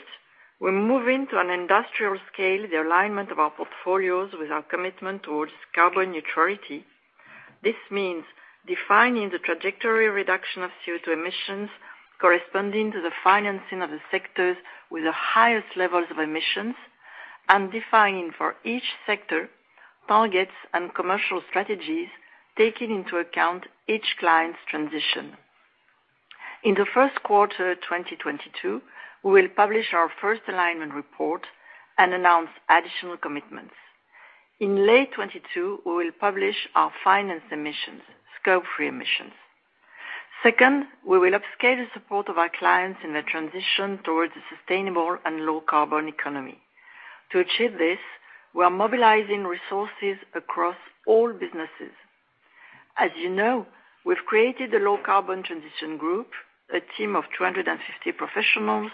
we're moving to an industrial scale, the alignment of our portfolios with our commitment towards carbon neutrality. This means defining the trajectory reduction of CO2 emissions corresponding to the financing of the sectors with the highest levels of emissions, and defining for each sector targets and commercial strategies, taking into account each client's transition. In the first quarter, 2022, we will publish our first alignment report and announce additional commitments. In late 2022, we will publish our financed emissions, scope three emissions. Second, we will upscale the support of our clients in their transition towards a sustainable and low-carbon economy. To achieve this, we are mobilizing resources across all businesses. As you know, we've created a Low-Carbon Transition Group, a team of 250 professionals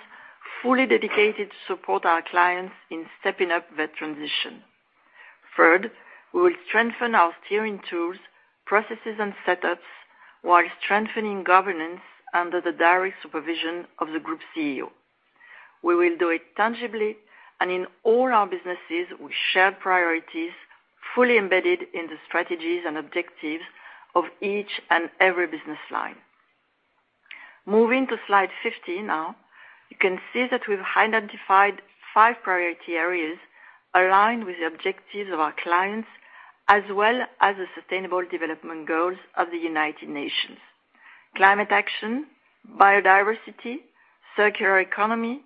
fully dedicated to support our clients in stepping up their transition. Third, we will strengthen our steering tools, processes, and setups while strengthening governance under the direct supervision of the Group CEO. We will do it tangibly and in all our businesses with shared priorities, fully embedded in the strategies and objectives of each and every business line. Moving to slide 50 now, you can see that we've identified five priority areas aligned with the objectives of our clients as well as the Sustainable Development Goals of the United Nations. Climate action, biodiversity, circular economy,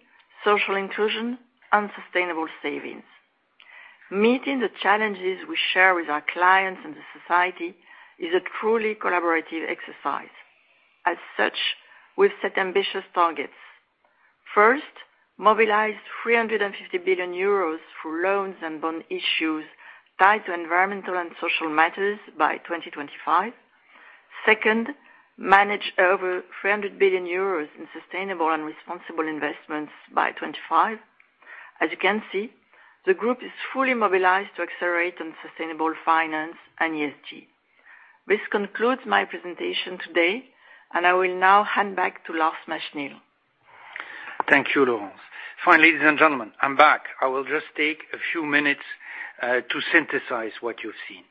social inclusion, and sustainable savings. Meeting the challenges we share with our clients and the society is a truly collaborative exercise. As such, we've set ambitious targets. First, mobilize 350 billion euros for loans and bond issues tied to environmental and social matters by 2025. Second, manage over 300 billion euros in sustainable and responsible investments by 2025. As you can see, the group is fully mobilized to accelerate on sustainable finance and ESG. This concludes my presentation today, and I will now hand back to Lars Machenil. Thank you, Laurence. Finally, ladies and gentlemen, I'm back. I will just take a few minutes to synthesize what you've seen.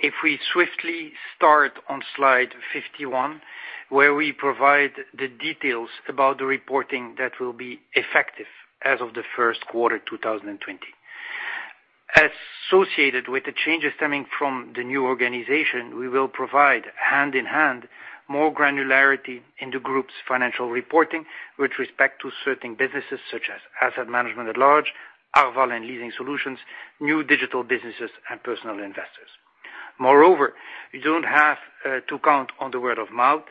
If we swiftly start on slide 51, where we provide the details about the reporting that will be effective as of the first quarter 2020. Associated with the changes stemming from the new organization, we will provide hand-in-hand more granularity in the group's financial reporting with respect to certain businesses such as asset management at large, Arval and leasing solutions, new digital businesses, and Personal Finance. Moreover, you don't have to count on the word of mouth,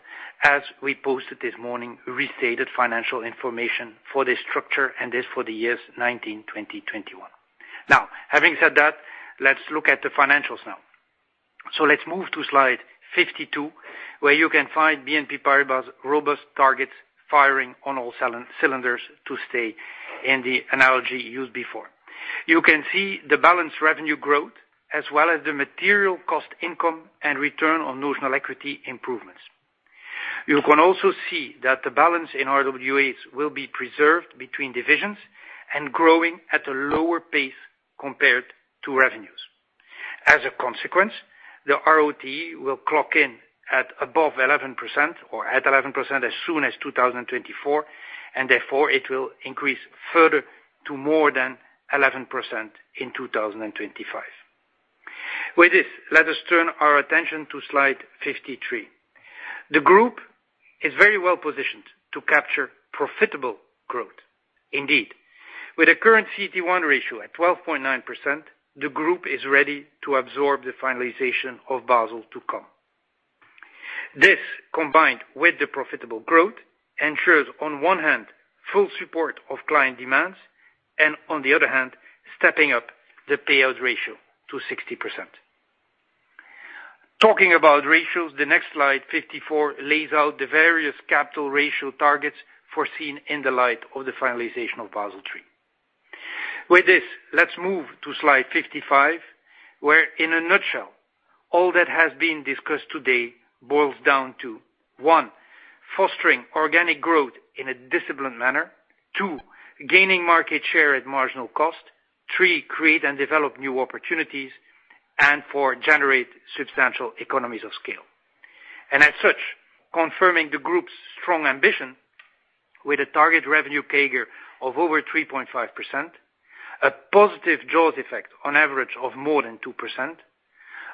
as we posted this morning, restated financial information for 2019, 2020, 2021. Now, having said that, let's look at the financials now. Let's move to slide 52, where you can find BNP Paribas' robust targets firing on all cylinders to stay in the analogy used before. You can see the balanced revenue growth as well as the material cost income and return on notional equity improvements. You can also see that the balanced in RWAs will be preserved between divisions and growing at a lower pace compared to revenues. As a consequence, the ROE will clock in at above 11% or at 11% as soon as 2024, and therefore, it will increase further to more than 11% in 2025. With this, let us turn our attention to slide 53. The group is very well-positioned to capture profitable growth. Indeed, with a current CET1 ratio at 12.9%, the group is ready to absorb the finalization of Basel to come. This, combined with the profitable growth, ensures on one hand, full support of client demands, and on the other hand, stepping up the payout ratio to 60%. Talking about ratios, the next slide 54 lays out the various capital ratio targets foreseen in the light of the finalization of Basel III. With this, let's move to slide 55, where in a nutshell, all that has been discussed today boils down to, one, fostering organic growth in a disciplined manner. Two, gaining market share at marginal cost. Three, create and develop new opportunities, and four, generate substantial economies of scale. As such, confirming the group's strong ambition with a target revenue CAGR of over 3.5%, a positive jaws effect on average of more than 2%,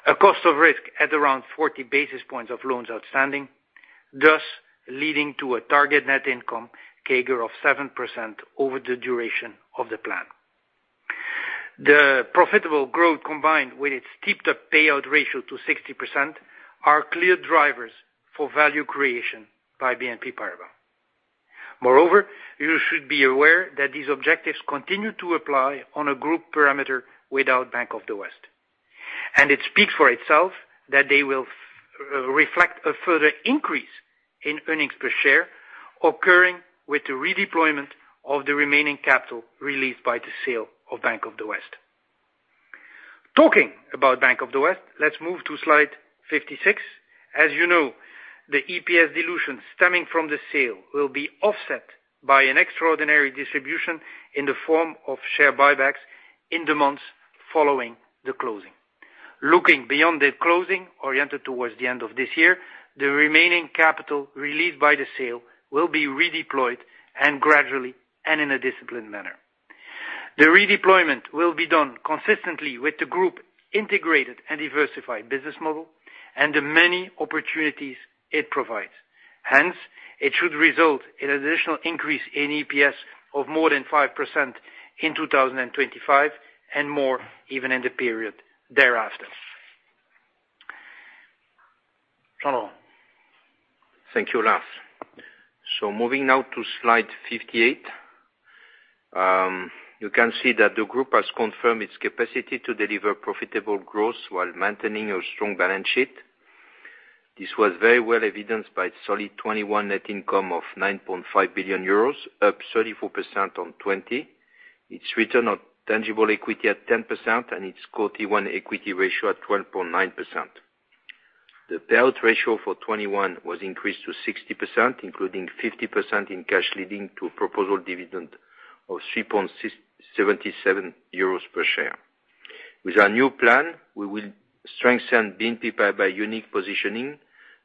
a cost of risk at around 40 basis points of loans outstanding, thus leading to a target net income CAGR of 7% over the duration of the plan. The profitable growth, combined with its stepped-up payout ratio to 60% are clear drivers for value creation by BNP Paribas. Moreover, you should be aware that these objectives continue to apply on a group parameter without Bank of the West. It speaks for itself that they will reflect a further increase in earnings per share occurring with the redeployment of the remaining capital released by the sale of Bank of the West. Talking about Bank of the West, let's move to slide 56. As you know, the EPS dilution stemming from the sale will be offset by an extraordinary distribution in the form of share buybacks in the months following the closing. Looking beyond the closing, oriented towards the end of this year, the remaining capital released by the sale will be redeployed and gradually and in a disciplined manner. The redeployment will be done consistently with the group integrated and diversified business model and the many opportunities it provides. Hence, it should result in additional increase in EPS of more than 5% in 2025, and even more in the period thereafter. Charles. Thank you, Lars. Moving now to slide 58, you can see that the group has confirmed its capacity to deliver profitable growth while maintaining a strong balance sheet. This was very well evidenced by solid 2021 net income of 9.5 billion euros, up 34% on 2020. Its return on tangible equity at 10% and its CET1 equity ratio at 12.9%. The payout ratio for 2021 was increased to 60%, including 50% in cash, leading to a proposed dividend of 3.67 euros per share. With our new plan, we will strengthen BNP Paribas' unique positioning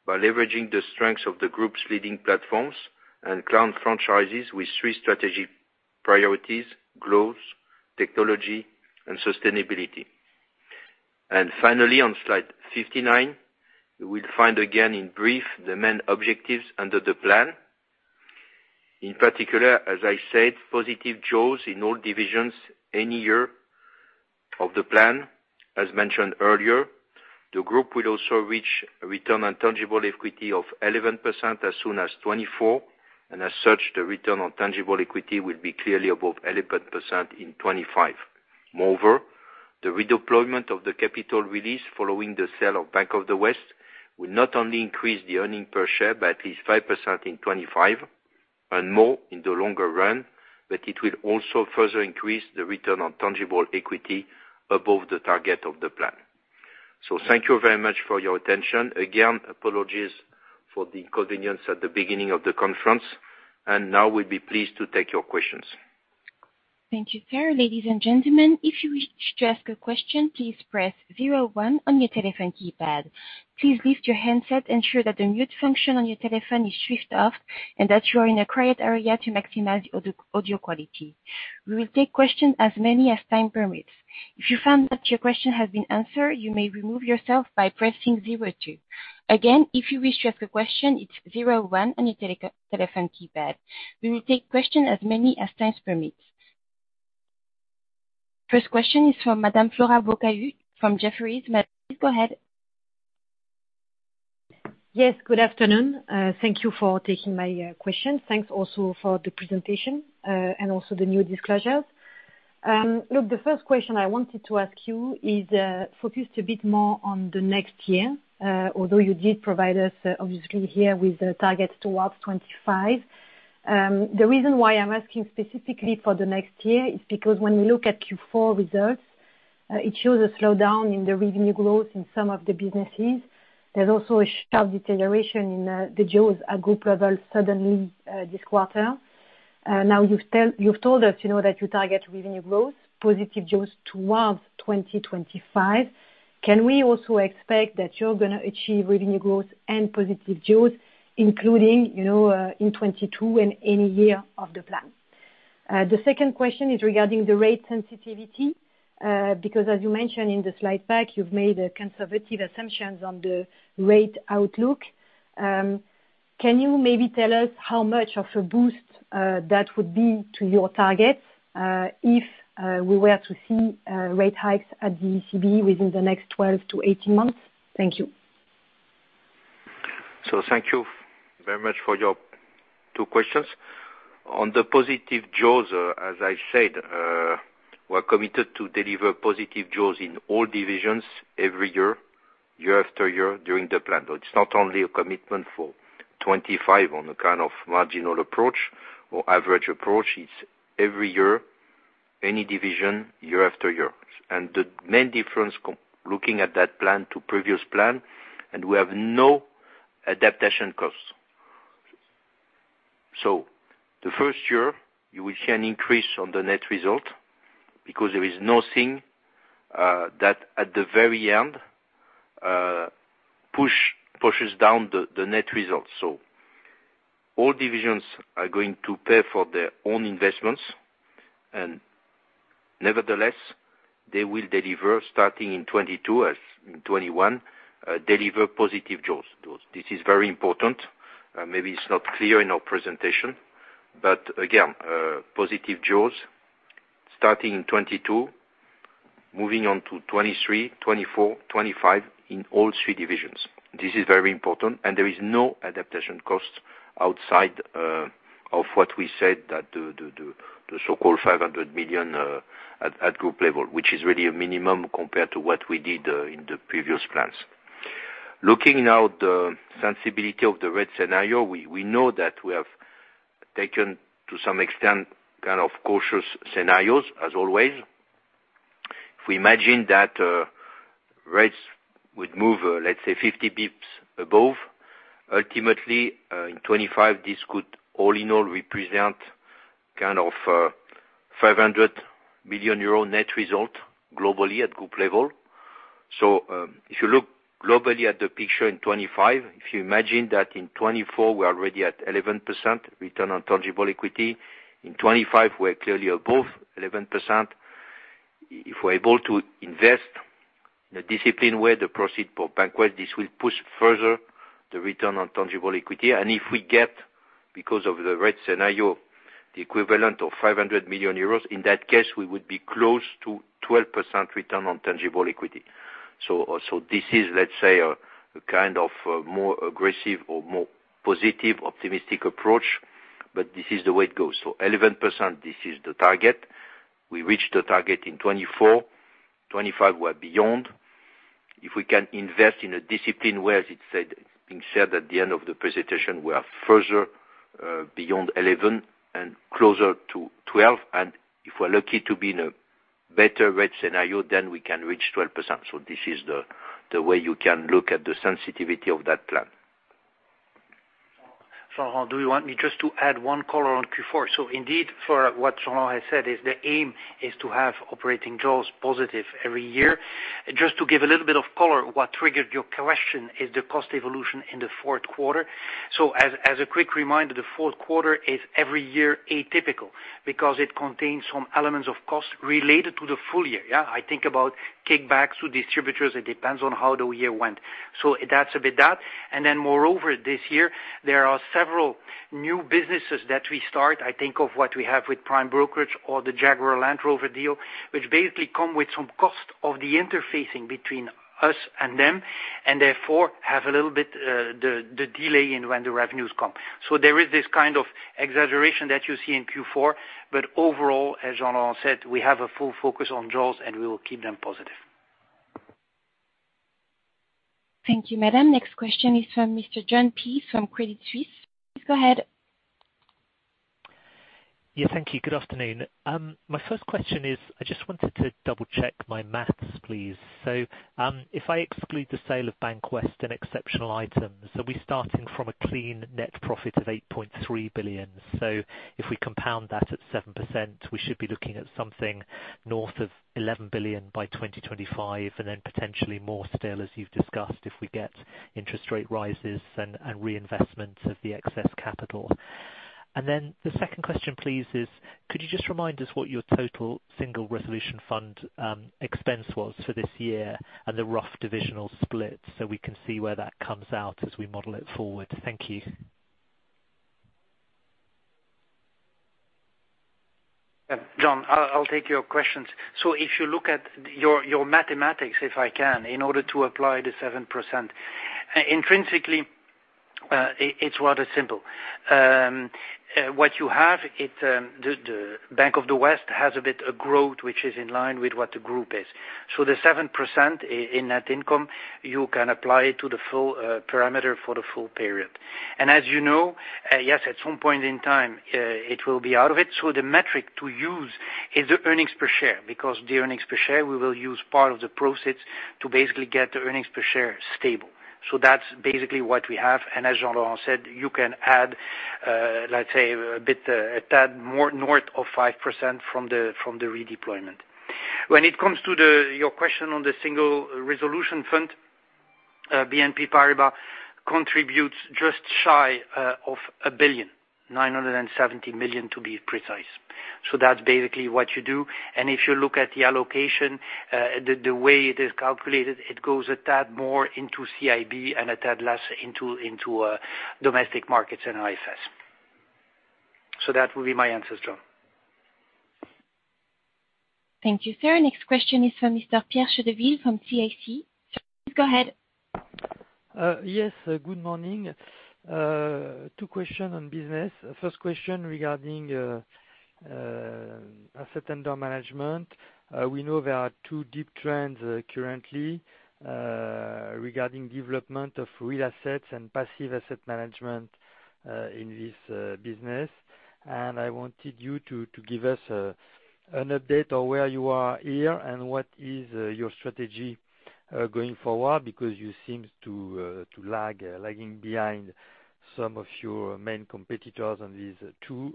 by leveraging the strengths of the group's leading platforms and client franchises with three strategic priorities, Growth, Technology, and Sustainability. Finally, on slide 59, you will find again in brief the main objectives under the plan. In particular, as I said, positive jaws in all divisions any year of the plan. As mentioned earlier, the group will also reach a return on tangible equity of 11% as soon as 2024, and as such, the return on tangible equity will be clearly above 11% in 2025. Moreover, the redeployment of the capital release following the sale of Bank of the West will not only increase the earnings per share by at least 5% in 2025 and more in the longer run, but it will also further increase the return on tangible equity above the target of the plan. Thank you very much for your attention. Again, apologies for the inconvenience at the beginning of the conference, and now we'll be pleased to take your questions. Thank you, sir. Ladies and gentlemen, if you wish to ask a question, please press zero one on your telephone keypad. Please lift your handset, ensure that the mute function on your telephone is switched off, and that you are in a quiet area to maximize audio quality. We will take questions as many as time permits. If you find that your question has been answered, you may remove yourself by pressing zero two. Again, if you wish to ask a question, it's zero one on your telephone keypad. We will take questions as many as time permits. First question is from Madame Flora Bocahut from Jefferies. Madame, please go ahead. Yes, good afternoon. Thank you for taking my question. Thanks also for the presentation, and also the new disclosures. Look, the first question I wanted to ask you is focused a bit more on the next year, although you did provide us obviously here with the targets towards 25. The reason why I'm asking specifically for the next year is because when we look at Q4 results, it shows a slowdown in the revenue growth in some of the businesses. There's also a sharp deterioration in the jaws at group level suddenly this quarter. Now you've told us, you know, that you target revenue growth, positive jaws towards 2025. Can we also expect that you're gonna achieve revenue growth and positive jaws, including, you know, in 2022 and any year of the plan? The second question is regarding the rate sensitivity, because as you mentioned in the slide pack, you've made conservative assumptions on the rate outlook. Can you maybe tell us how much of a boost that would be to your targets, if we were to see rate hikes at the ECB within the next 12-18 months? Thank you. Thank you very much for your two questions. On the positive jaws, as I said, we're committed to deliver positive jaws in all divisions every year after year during the plan. It's not only a commitment for 2025 on a kind of marginal approach or average approach. It's every year, any division, year after year. The main difference comparing that plan to previous plan, and we have no adaptation costs. The first year, you will see an increase on the net result because there is nothing that at the very end pushes down the net results. All divisions are going to pay for their own investments, and nevertheless, they will deliver starting in 2022 as in 2021 positive jaws, those. This is very important. Maybe it's not clear in our presentation, but again, positive jaws starting in 2022, moving on to 2023, 2024, 2025 in all three divisions. This is very important, and there is no adaptation costs outside of what we said that the so-called 500 million at group level, which is really a minimum compared to what we did in the previous plans. Looking now at the sensitivity of the rate scenario, we know that we have taken, to some extent, kind of cautious scenarios as always. If we imagine that rates would move, let's say 50 bps above, ultimately in 2025, this could all in all represent kind of 500 million euro net result globally at group level. If you look globally at the picture in 2025, if you imagine that in 2024 we are already at 11% return on tangible equity, in 2025, we're clearly above 11%. If we're able to invest in a disciplined way the proceeds from Bank of the West, this will push further the return on tangible equity. If we get, because of the rate scenario, the equivalent of 500 million euros, in that case, we would be close to 12% return on tangible equity. This is, let's say, a kind of more aggressive or more positive optimistic approach, but this is the way it goes. 11%, this is the target. We reach the target in 2024. In 2025 we're beyond. If we can invest in a disciplined way, as it said, it's being said at the end of the presentation, we are further beyond 11 and closer to 12. If we're lucky to be in a better rate scenario, then we can reach 12%. This is the way you can look at the sensitivity of that plan. Jean, do you want me just to add one color on Q4? Indeed, for what Jean has said is the aim is to have operating jaws positive every year. Just to give a little bit of color, what triggered your question is the cost evolution in the fourth quarter. As a quick reminder, the fourth quarter is every year atypical because it contains some elements of cost related to the full year, yeah. I think about kickbacks to distributors, it depends on how the year went. That's a bit that. Moreover, this year, there are several new businesses that we start. I think of what we have with Prime Brokerage or the Jaguar Land Rover deal, which basically come with some cost of the interfacing between us and them, and therefore have a little bit the delay in when the revenues come. There is this kind of exaggeration that you see in Q4, but overall, as Jean said, we have a full focus on jaws, and we will keep them positive. Thank you, Madame. Next question is from Mr. Jon Peace from Credit Suisse. Please go ahead. Yeah, thank you. Good afternoon. My first question is, I just wanted to double-check my math, please. If I exclude the sale of Bankwest and exceptional items, are we starting from a clean net profit of 8.3 billion? If we compound that at 7%, we should be looking at something north of 11 billion by 2025, and then potentially more still, as you've discussed, if we get interest rate rises and reinvestment of the excess capital. The second question, please, is could you just remind us what your total Single Resolution Fund expense was for this year and the rough divisional split, so we can see where that comes out as we model it forward? Thank you. Jon, I'll take your questions. If you look at your mathematics, if I can, in order to apply the 7%, intrinsically, it's rather simpe. What you have, the Bank of the West has a bit of growth, which is in line with what the group is. The 7% in that income, you can apply to the full parameter for the full period. As you know, yes, at some point in time, it will be out of it. The metric to use is the earnings per share, because the earnings per share, we will use part of the proceeds to basically get the earnings per share stable. That's basically what we have. As Jean said, you can add, let's say a bit, a tad more north of 5% from the redeployment. When it comes to your question on the Single Resolution Fund, BNP Paribas contributes just shy of 1.97 billion to be precise. That's basically what you do. If you look at the allocation, the way it is calculated, it goes a tad more into CIB and a tad less into domestic markets and IFS. That would be my answer, Jon. Thank you, sir. Next question is from Mr. Pierre Chédeville from CIC. Please go ahead. Yes, good morning. Two questions on business. First question regarding assets under management. We know there are two deep trends currently regarding development of real assets and passive asset management in this business. I wanted you to give us an update on where you are here and what is your strategy going forward, because you seems to lagging behind some of your main competitors on these two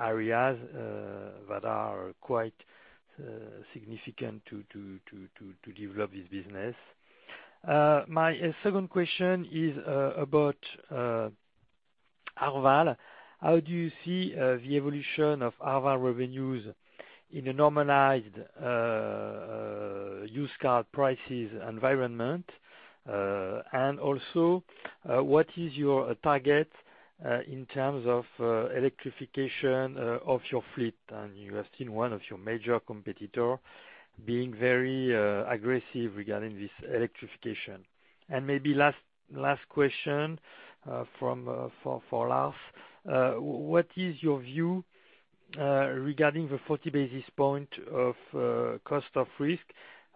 areas that are quite significant to develop this business. My second question is about Arval. How do you see the evolution of Arval revenues in a normalized used car prices environment? And also, what is your target in terms of electrification of your fleet? You have seen one of your major competitor being very aggressive regarding this electrification. Maybe last question for Lars. What is your view regarding the 40 basis point of cost of risk?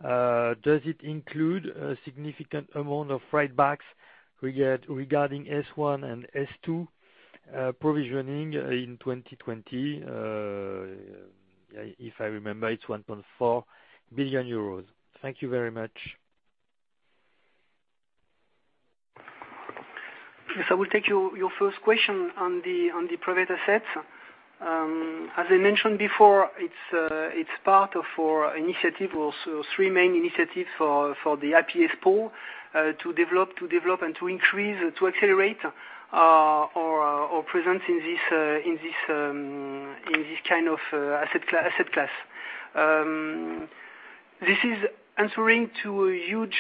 Does it include a significant amount of write-backs regarding S1 and S2 provisioning in 2020? If I remember, it's 1.4 billion euros. Thank you very much. We'll take your first question on the private assets. As I mentioned before, it's part of our initiative, also three main initiatives for the IPS pool to develop and to increase, to accelerate, or present in this kind of asset class. This is answering to a huge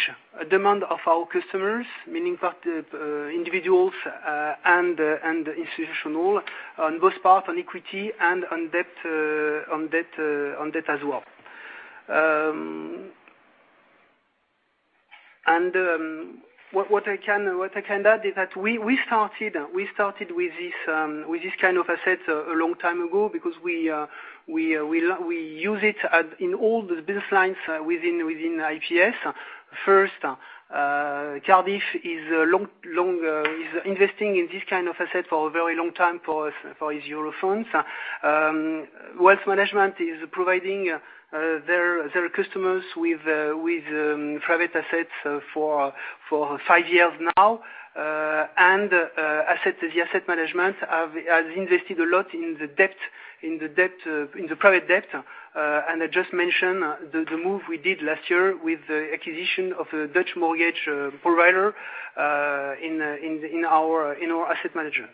demand of our customers, meaning private individuals and institutions on both part on equity and on debt as well. What I can add is that we started with this kind of asset a long time ago because we use it in all the business lines within IPS. First, Cardif has long been investing in this kind of asset for a very long time for its euro funds. Wealth Management is providing their customers with private assets for five years now. Asset Management has invested a lot in the private debt. I just mentioned the move we did last year with the acquisition of a Dutch mortgage provider in our Asset Management.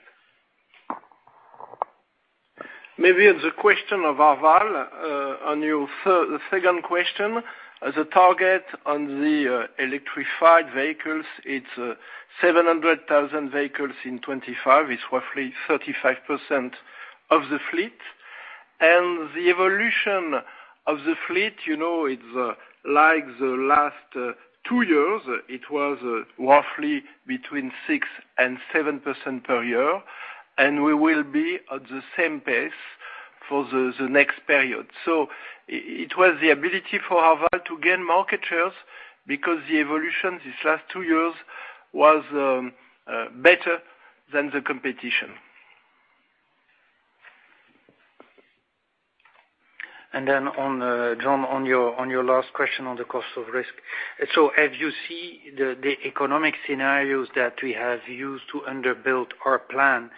Maybe the question of Arval on your third, second question. The target on the electrified vehicles, it's 700,000 vehicles in 2025. It's roughly 35% of the fleet. The evolution of the fleet, you know, it's like the last two years. It was roughly between 6% and 7% per year, and we will be at the same pace for the next period. It was the ability for Arval to gain market shares because the evolution these last two years was better than the competition. Jon, on your last question on the cost of risk. As you see the economic scenarios that we have used to underpin our plan,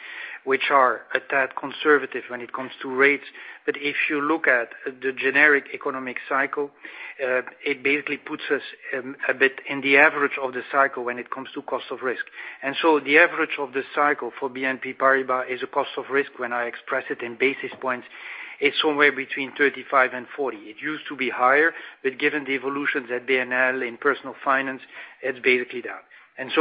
which are a tad conservative when it comes to rates. If you look at the generic economic cycle, it basically puts us a bit in the average of the cycle when it comes to cost of risk. The average of the cycle for BNP Paribas is a cost of risk when I express it in basis points. It's somewhere between 35 and 40. It used to be higher, but given the evolutions at BNL in personal finance, it's basically down.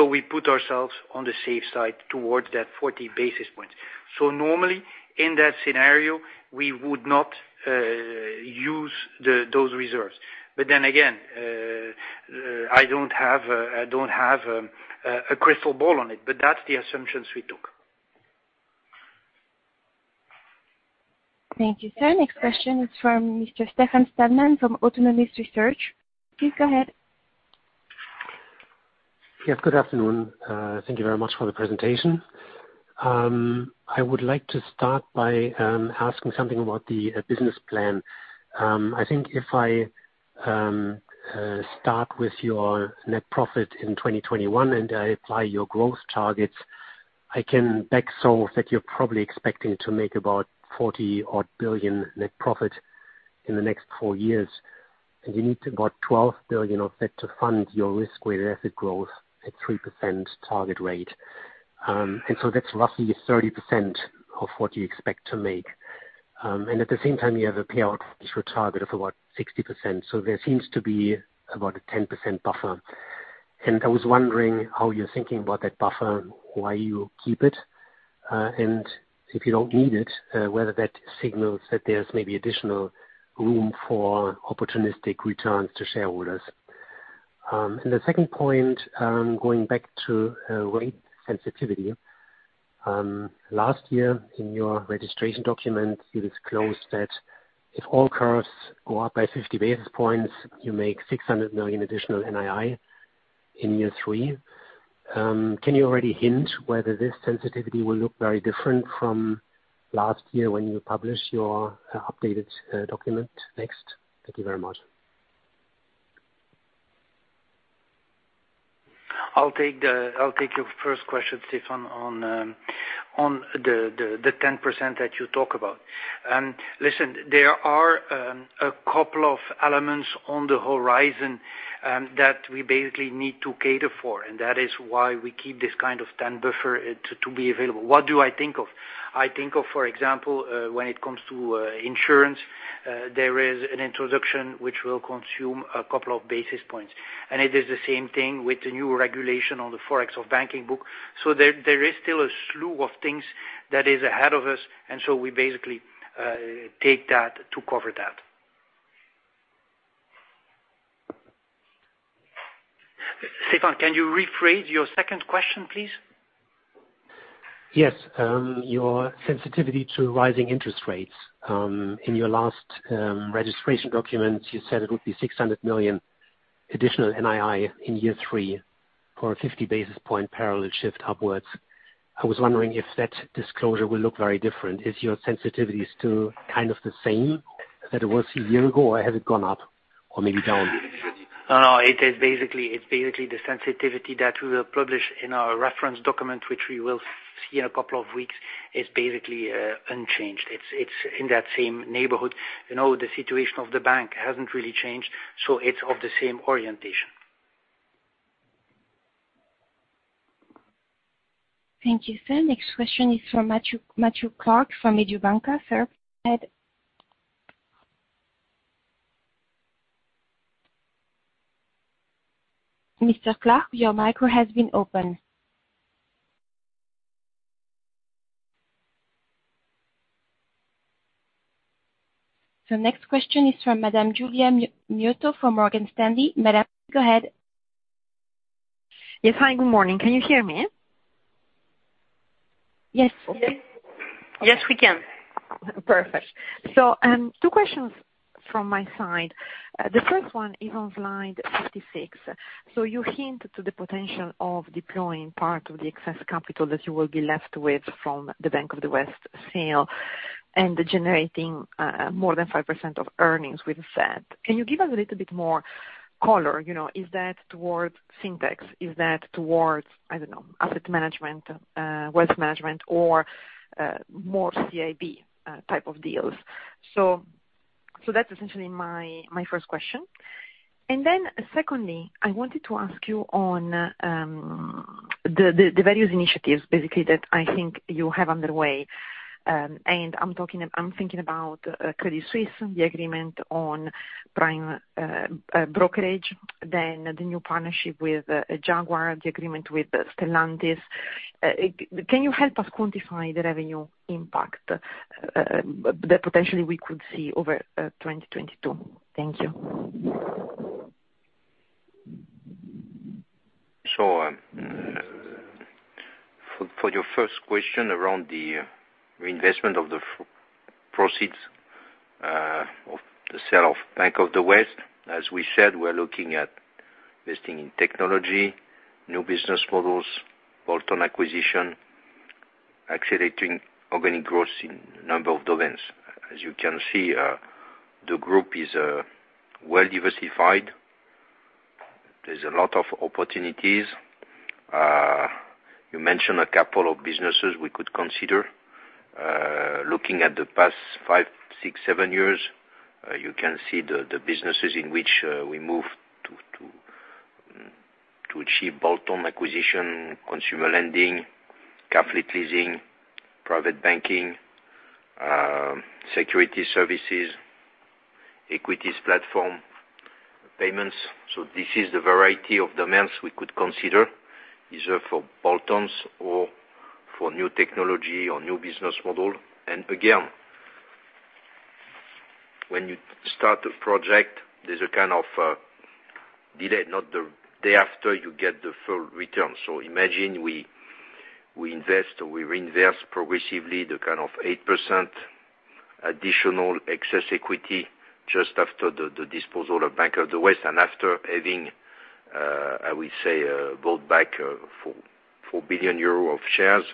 We put ourselves on the safe side towards that 40 basis points. Normally, in that scenario, we would not use those reserves. I don't have a crystal ball on it, but that's the assumptions we took. Thank you, sir. Next question is from Mr. Stefan Stalmann from Autonomous Research. Please go ahead. Yes, good afternoon. Thank you very much for the presentation. I would like to start by asking something about the business plan. I think if I start with your net profit in 2021 and I apply your growth targets, I can back solve that you're probably expecting to make about 40 billion net profit in the next four years. You need about 12 billion of that to fund your risk-weighted asset growth at 3% target rate. That's roughly 30% of what you expect to make. At the same time, you have a payout ratio target of about 60%. There seems to be about a 10% buffer. I was wondering how you're thinking about that buffer, why you keep it, and if you don't need it, whether that signals that there's maybe additional room for opportunistic returns to shareholders. The second point, going back to rate sensitivity. Last year in your registration documents, it is disclosed that if all curves go up by 50 basis points, you make 600 million additional NII in year three. Can you already hint whether this sensitivity will look very different from last year when you publish your updated document next? Thank you very much. I'll take your first question, Stefan, on the 10% that you talk about. Listen, there are a couple of elements on the horizon that we basically need to cater for, and that is why we keep this kind of 10% buffer to be available. What do I think of? I think of, for example, when it comes to insurance, there is an introduction which will consume a couple of basis points. It is the same thing with the new regulation on the foreign of banking book. There is still a slew of things that is ahead of us, and so we basically take that to cover that. Stefan, can you rephrase your second question, please? Yes. Your sensitivity to rising interest rates. In your last registration document, you said it would be 600 million additional NII in year three for a 50 basis point parallel shift upwards. I was wondering if that disclosure will look very different. Is your sensitivity still kind of the same as it was a year ago, or has it gone up or maybe down? No, it is basically the sensitivity that we will publish in our reference document, which we will see in a couple of weeks, is basically unchanged. It's in that same neighborhood. You know, the situation of the bank hasn't really changed, so it's of the same orientation. Thank you, sir. Next question is from Matthew Clark from Mediobanca. Sir, go ahead. Mr. Clark, your micro has been opened. The next question is from Madame Giulia Miotto from Morgan Stanley. Madame, go ahead. Yes. Hi, good morning. Can you hear me? Yes. Yes. Okay. Yes, we can. Perfect. Two questions from my side. The first one is on slide 56. You hint to the potential of deploying part of the excess capital that you will be left with from the Bank of the West sale and generating more than 5% of earnings with that. Can you give us a little bit more color? You know, is that towards fintech? Is that towards, I don't know, asset management, wealth management or more CIB type of deals? So that's essentially my first question. Secondly, I wanted to ask you on the various initiatives basically that I think you have underway. I'm thinking about Credit Suisse, the agreement on prime brokerage, then the new partnership with Jaguar, the agreement with Stellantis. Can you help us quantify the revenue impact that potentially we could see over 2022? Thank you. For your first question around the reinvestment of the proceeds of the sale of Bank of the West, as we said, we're looking at investing in technology, new business models, bolt-on acquisition, accelerating organic growth in number of domains. As you can see, the group is well diversified. There's a lot of opportunities. You mentioned a couple of businesses we could consider. Looking at the past five, six, seven years, you can see the businesses in which we moved to achieve bolt-on acquisition, consumer lending, car fleet leasing, private banking, security services, equities platform, payments. This is the variety of domains we could consider, either for bolt-ons or for new technology or new business model. Again, when you start a project, there's a kind of delay, not the day after you get the full return. Imagine we invest or we reinvest progressively the kind of 8% additional excess equity just after the disposal of Bank of the West and after having, I would say, bought back 4 billion euro of shares.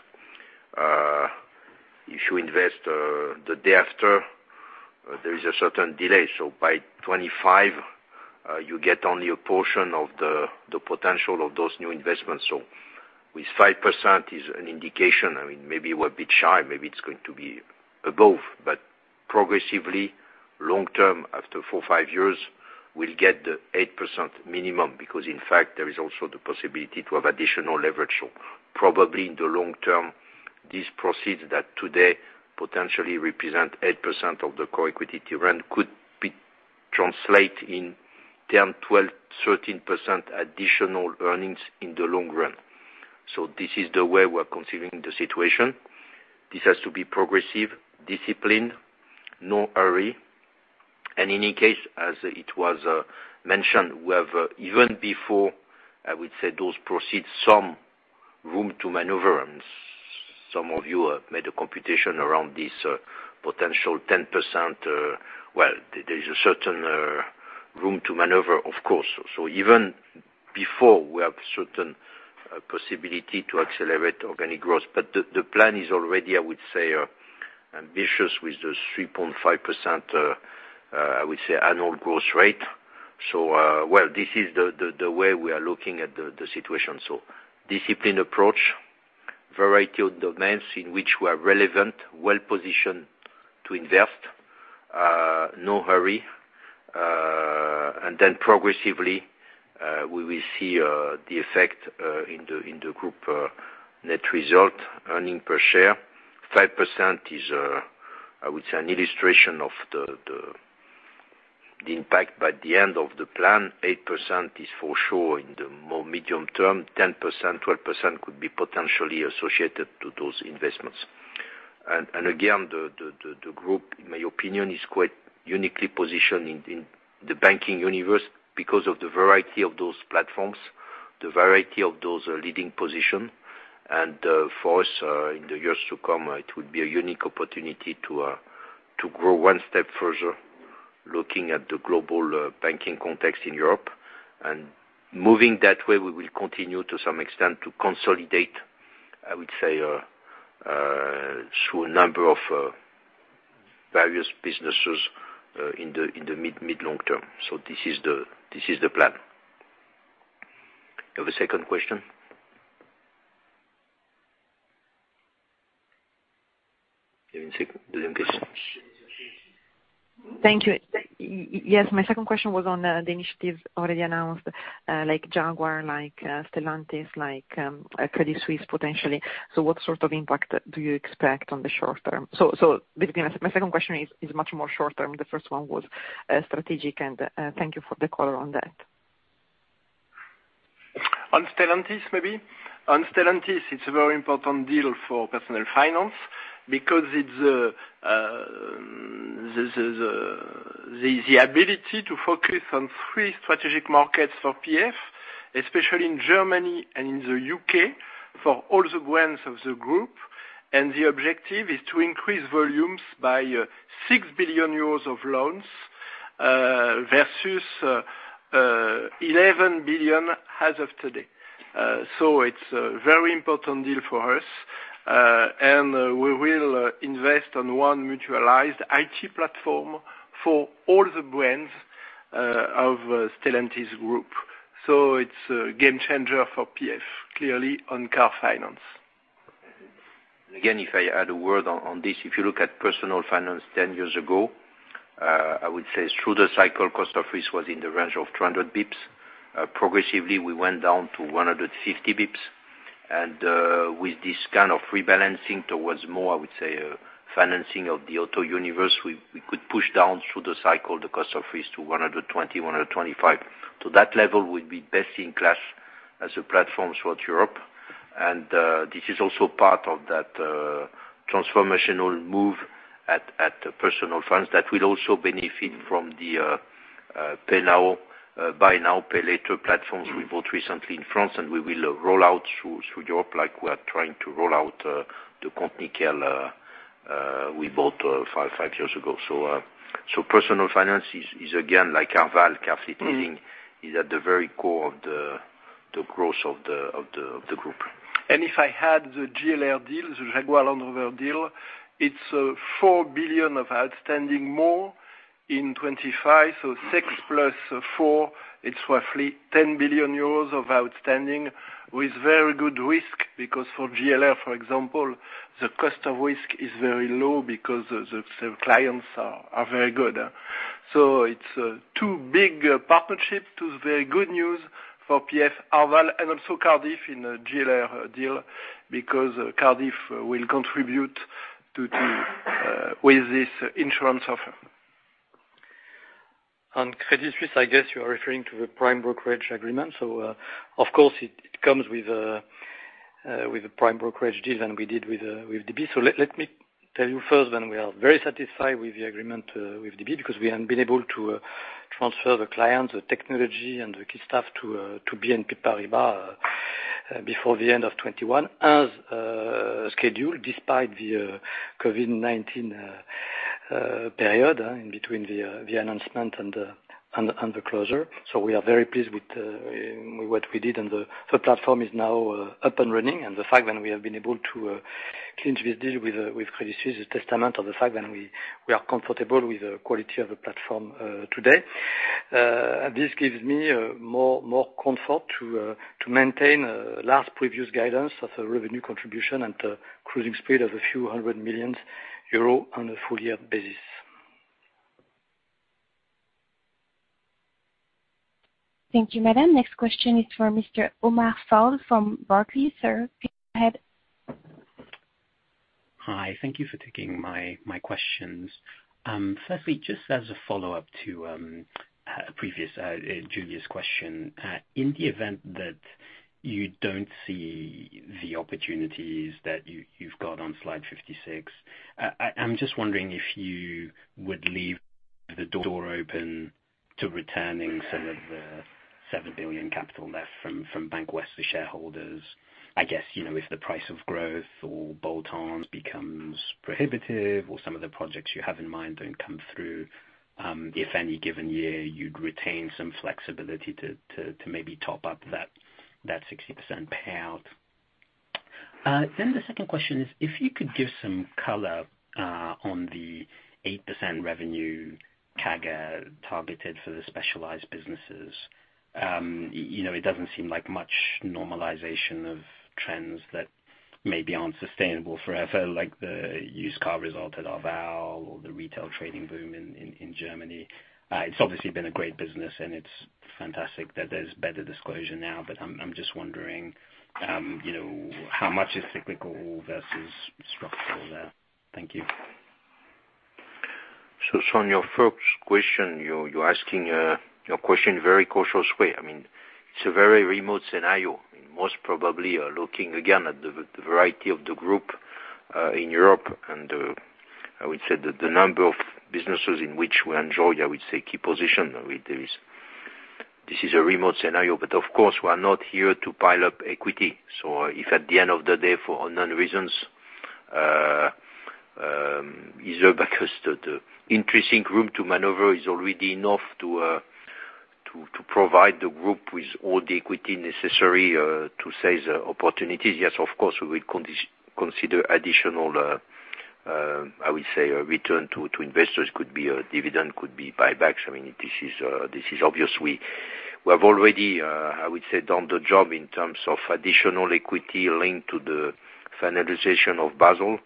If you invest the day after, there is a certain delay. By 2025, you get only a portion of the potential of those new investments. With 5% is an indication, I mean, maybe we're a bit shy, maybe it's going to be above. Progressively, long-term, after four to five years, we'll get the 8% minimum, because in fact, there is also the possibility to have additional leverage. Probably in the long term, these proceeds that today potentially represent 8% of the core equity return could translate in 10%, 12%, 13% additional earnings in the long run. This is the way we're considering the situation. This has to be progressive, disciplined, no hurry, and in any case, as it was mentioned, we have, even before, I would say, those proceeds, some room to maneuver, and some of you have made a computation around this potential 10%. Well, there's a certain room to maneuver, of course. Even before we have certain possibility to accelerate organic growth. The plan is already, I would say, ambitious with the 3.5% annual growth rate. This is the way we are looking at the situation. Disciplined approach, variety of domains in which we are relevant, well-positioned to invest. No hurry. Progressively, we will see the effect in the group net result, earnings per share. 5% is, I would say, an illustration of the impact by the end of the plan. 8% is for sure in the more medium term. 10%, 12% could be potentially associated to those investments. Again, the group, in my opinion, is quite uniquely positioned in the banking universe because of the variety of those platforms, the variety of those leading position. For us, in the years to come, it will be a unique opportunity to grow one step further, looking at the global banking context in Europe. Moving that way, we will continue to some extent to consolidate, I would say, through a number of various businesses in the mid-long term. This is the plan. You have a second question? Thank you. Yes, my second question was on the initiatives already announced, like Jaguar, like Stellantis, like Credit Suisse, potentially. So what sort of impact do you expect on the short term? So basically my second question is much more short term. The first one was strategic, and thank you for the color on that. On Stellantis, maybe. On Stellantis, it's a very important deal for personal finance because it's the ability to focus on three strategic markets for PF, especially in Germany and in the U.K., for all the brands of the group. The objective is to increase volumes by 6 billion euros of loans versus 11 billion as of today. It's a very important deal for us. We will invest on one mutualized IT platform for all the brands of the Stellantis group. It's a game changer for PF, clearly on car finance. Again, if I add a word on this, if you look at personal finance 10 years ago, I would say through the cycle, cost of risk was in the range of 200 basis points. Progressively, we went down to 150 basis points. With this kind of rebalancing towards more, I would say, financing of the auto universe, we could push down through the cycle the cost of risk to 120-125 basis points. That level would be best in class as a platform throughout Europe. This is also part of that transformational move at Personal Finance that will also benefit from the buy now, pay later platforms we bought recently in France, and we will roll out through Europe like we are trying to roll out the Nickel we bought five years ago. Personal Finance is again, like Arval car fleet leasing, at the very core of the growth of the group. If I had the JLR deal, the Jaguar Land Rover deal, it's 4 billion of outstanding more in 2025. Six plus four, it's roughly 10 billion euros of outstanding with very good risk because for JLR, for example, the cost of risk is very low because the clients are very good. It's two big partnerships, two very good news for PF, Arval, and also Cardif in the JLR deal because Cardif will contribute to the with this insurance offer. On Credit Suisse, I guess you are referring to the prime brokerage agreement. Of course it comes with a prime brokerage deal that we did with DB. Let me tell you first, we are very satisfied with the agreement with DB because we have been able to transfer the clients, the technology and the key staff to BNP Paribas before the end of 2021 as scheduled, despite the COVID-19 period in between the announcement and the closure. We are very pleased with what we did, and the platform is now up and running. The fact that we have been able to clinch this deal with Credit Suisse is a testament of the fact that we are comfortable with the quality of the platform today. This gives me more comfort to maintain last previous guidance of the revenue contribution and the cruising speed of EUR a few hundred million on a full-year basis. Thank you. Madam, next question is for Mr. Omar Faruqui from Barclays. Sir, please go ahead. Hi. Thank you for taking my questions. Firstly, just as a follow-up to a previous Giulia's question. In the event that you don't see the opportunities that you've got on slide 56, I'm just wondering if you would leave the door open to returning some of the $7 billion capital left from Bank of the West to shareholders, I guess, you know, if the price of growth or bolt-ons becomes prohibitive or some of the projects you have in mind don't come through, if any given year you'd retain some flexibility to maybe top up that 60% payout. The second question is if you could give some color on the 8% revenue CAGR targeted for the specialized businesses. You know, it doesn't seem like much normalization of trends that maybe aren't sustainable forever, like the used car result at Arval or the retail trading boom in Germany. It's obviously been a great business, and it's fantastic that there's better disclosure now. I'm just wondering, you know, how much is cyclical versus structural there? Thank you. On your first question, you're asking your question in very cautious way. I mean, it's a very remote scenario, and most probably, looking again at the variety of the group in Europe, and I would say that the number of businesses in which we enjoy, I would say, key position with this. This is a remote scenario, but of course, we are not here to pile up equity. If at the end of the day, for unknown reasons, either because the increasing room to maneuver is already enough to provide the group with all the equity necessary to seize the opportunities, yes, of course, we will consider additional, I would say a return to investors. Could be a dividend, could be buybacks. I mean, this is obvious. We have already, I would say, done the job in terms of additional equity linked to the finalization of Basel.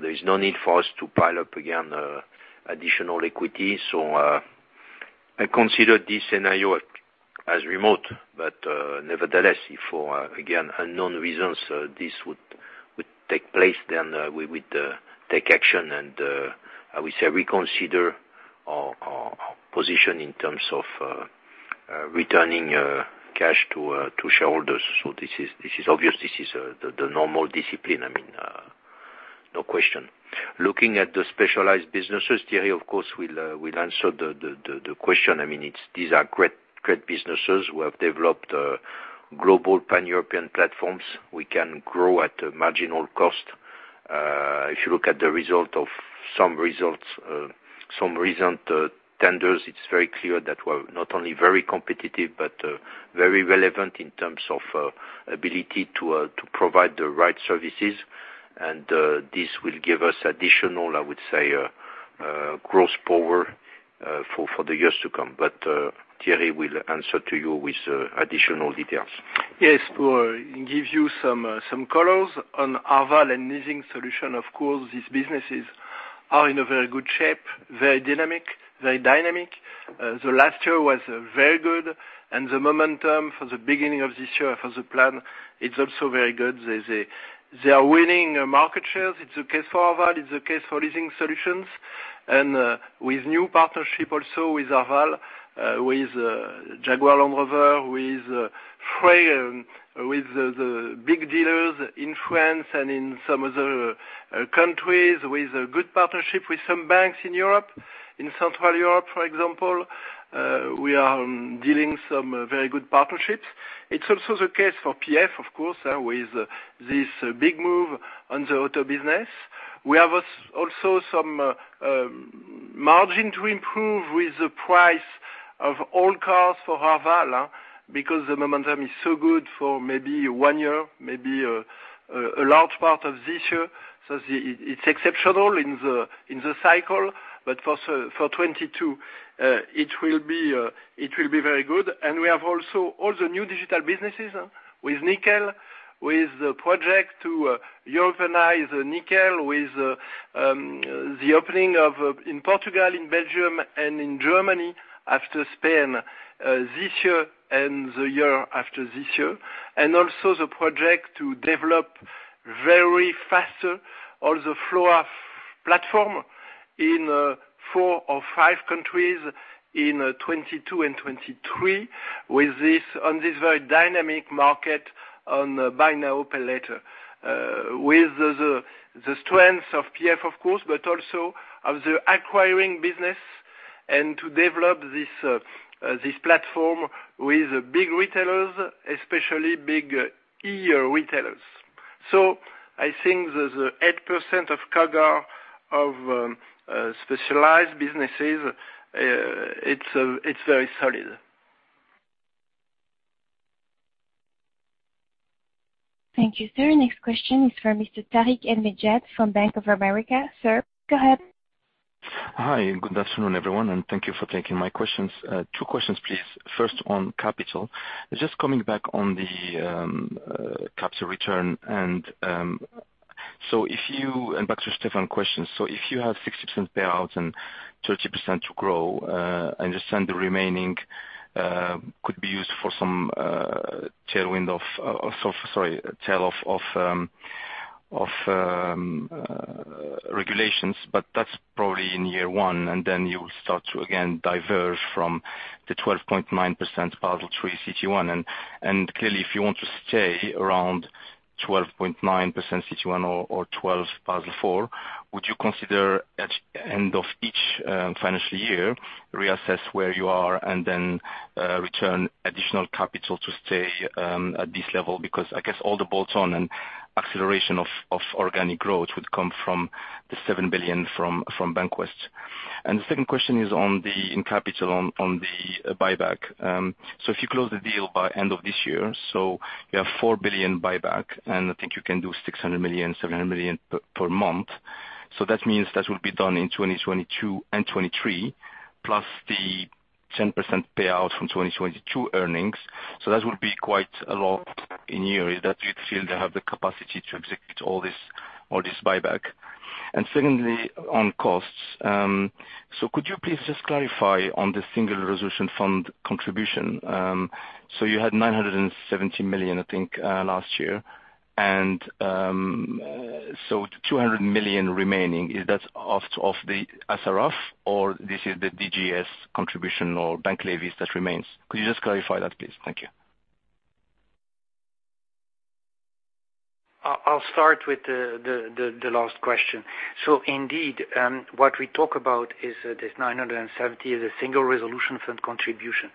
There is no need for us to pile up again additional equity. I consider this scenario as remote. Nevertheless, if for again unknown reasons this would take place, then we would take action and I would say reconsider our position in terms of returning cash to shareholders. This is obvious. This is the normal discipline, I mean, no question. Looking at the specialized businesses, Thierry of course will answer the question. I mean, these are great businesses. We have developed global pan-European platforms. We can grow at a marginal cost. If you look at the results of some recent tenders, it's very clear that we're not only very competitive but very relevant in terms of ability to provide the right services. This will give us additional, I would say, growth power for the years to come. Thierry will answer to you with additional details. Yes. To give you some colors on Arval and Leasing Solutions, of course, these businesses are in a very good shape, very dynamic. The last year was very good, and the momentum for the beginning of this year for the plan, it's also very good. They are winning market shares. It's the case for Arval, it's the case for Leasing Solutions. With new partnership also with Arval, with Jaguar Land Rover, with Frey, with the big dealers in France and in some other countries, with a good partnership with some banks in Europe. In Central Europe, for example, we are dealing some very good partnerships. It's also the case for PF, of course, with this big move on the auto business. We have also some margin to improve with the price of all cars for Arval, because the momentum is so good for maybe one year, maybe a large part of this year. It's exceptional in the cycle. For 2022, it will be very good. We have also all the new digital businesses with Nickel, with the project to Europeanize Nickel with the opening in Portugal, in Belgium, and in Germany after Spain, this year and the year after this year. Also the project to develop very faster all the Floa platform in four or five countries in 2022 and 2023. With this, on this very dynamic market on buy now, pay later, with the strength of PF, of course, but also of the acquiring business and to develop this platform with big retailers, especially big e-retailers. I think the 8% CAGR of specialized businesses, it's very solid. Thank you, sir. Next question is for Mr. Tarik El Mejjad from Bank of America. Sir, go ahead. Hi, good afternoon, everyone, thank you for taking my questions. Two questions, please. First, on capital, just coming back on the capital return. Back to Stefan's question, so if you have 60% payouts and 30% to grow, I understand the remaining could be used for some tail end of regulations, but that's probably in year one, and then you'll start to again diverge from the 12.9% Basel III CET1. Clearly, if you want to stay around 12.9% CET1 or 12% Basel IV, would you consider at the end of each financial year reassess where you are and then return additional capital to stay at this level? Because I guess all the bolt-ons and acceleration of organic growth would come from the 7 billion from Bank of the West. The second question is on the capital on the buyback. If you close the deal by the end of this year, you have 4 billion buyback, and I think you can do 600 million, 700 million per month. That means that will be done in 2022 and 2023, plus the 10% payout from 2022 earnings. That would be quite a lot in year. Do you feel you have the capacity to execute all this buyback. Secondly, on costs, could you please just clarify on the Single Resolution Fund contribution? You had 970 million, I think, last year. 200 million remaining, is that off the SRF or this is the DGS contribution or bank levies that remains? Could you just clarify that please? Thank you. I'll start with the last question. Indeed, what we talk about is that this 970 is a Single Resolution Fund contribution.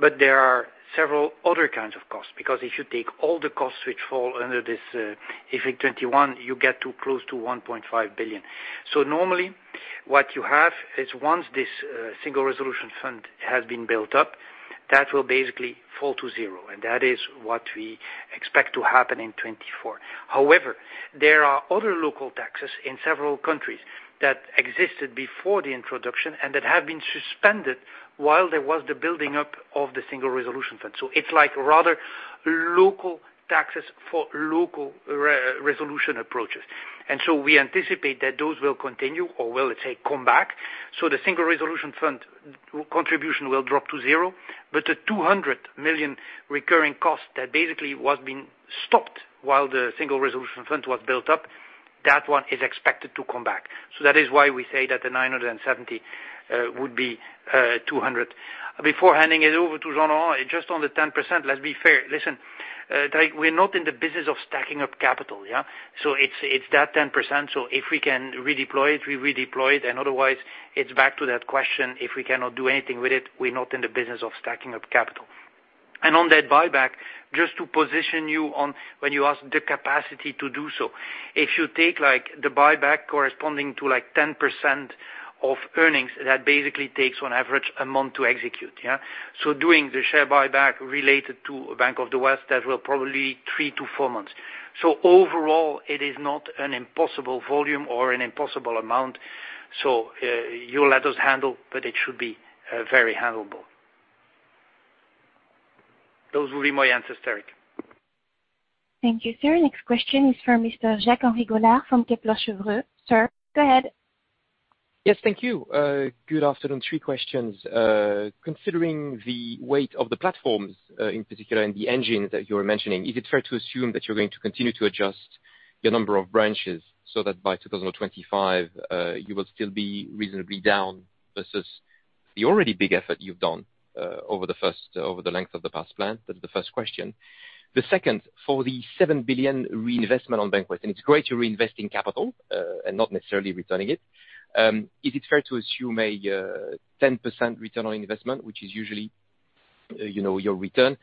But there are several other kinds of costs, because if you take all the costs which fall under this, if in 2021 you get to close to 1.5 billion. Normally what you have is once this Single Resolution Fund has been built up, that will basically fall to zero, and that is what we expect to happen in 2024. However, there are other local taxes in several countries that existed before the introduction and that have been suspended while there was the building up of the Single Resolution Fund. It's like rather local taxes for local resolution approaches. We anticipate that those will continue or will, let's say, come back. The Single Resolution Fund contribution will drop to zero, but the 200 million recurring cost that basically was being stopped while the Single Resolution Fund was built up, that one is expected to come back. That is why we say that the 970 million would be 200 million. Before handing it over to Renaud, just on the 10%, let's be fair. Listen, like, we're not in the business of stacking up capital, yeah? It's that 10%, so if we can redeploy it, we redeploy it, and otherwise it's back to that question if we cannot do anything with it, we're not in the business of stacking up capital. On that buyback, just to position you as to the capacity to do so, if you take like the buyback corresponding to like 10% of earnings, that basically takes on average a month to execute. Doing the share buyback related to Bank of the West, that will probably three to four months. Overall it is not an impossible volume or an impossible amount. You'll let us handle, but it should be very handleable. Those will be my answers, Tarik El Mejjad. Thank you, sir. Next question is for Mr. Jacques-Henri Gaulard from Kepler Cheuvreux. Sir, go ahead. Yes, thank you. Good afternoon. Three questions. Considering the weight of the platforms, in particular in the engine that you were mentioning, is it fair to assume that you're going to continue to adjust your number of branches so that by 2025, you will still be reasonably down versus the already big effort you've done, over the length of the past plan? That is the first question. The second, for the 7 billion reinvestment on Bank of the West, and it's great you're reinvesting capital, and not necessarily returning it, is it fair to assume a 10% return on investment, which is usually, you know, your return?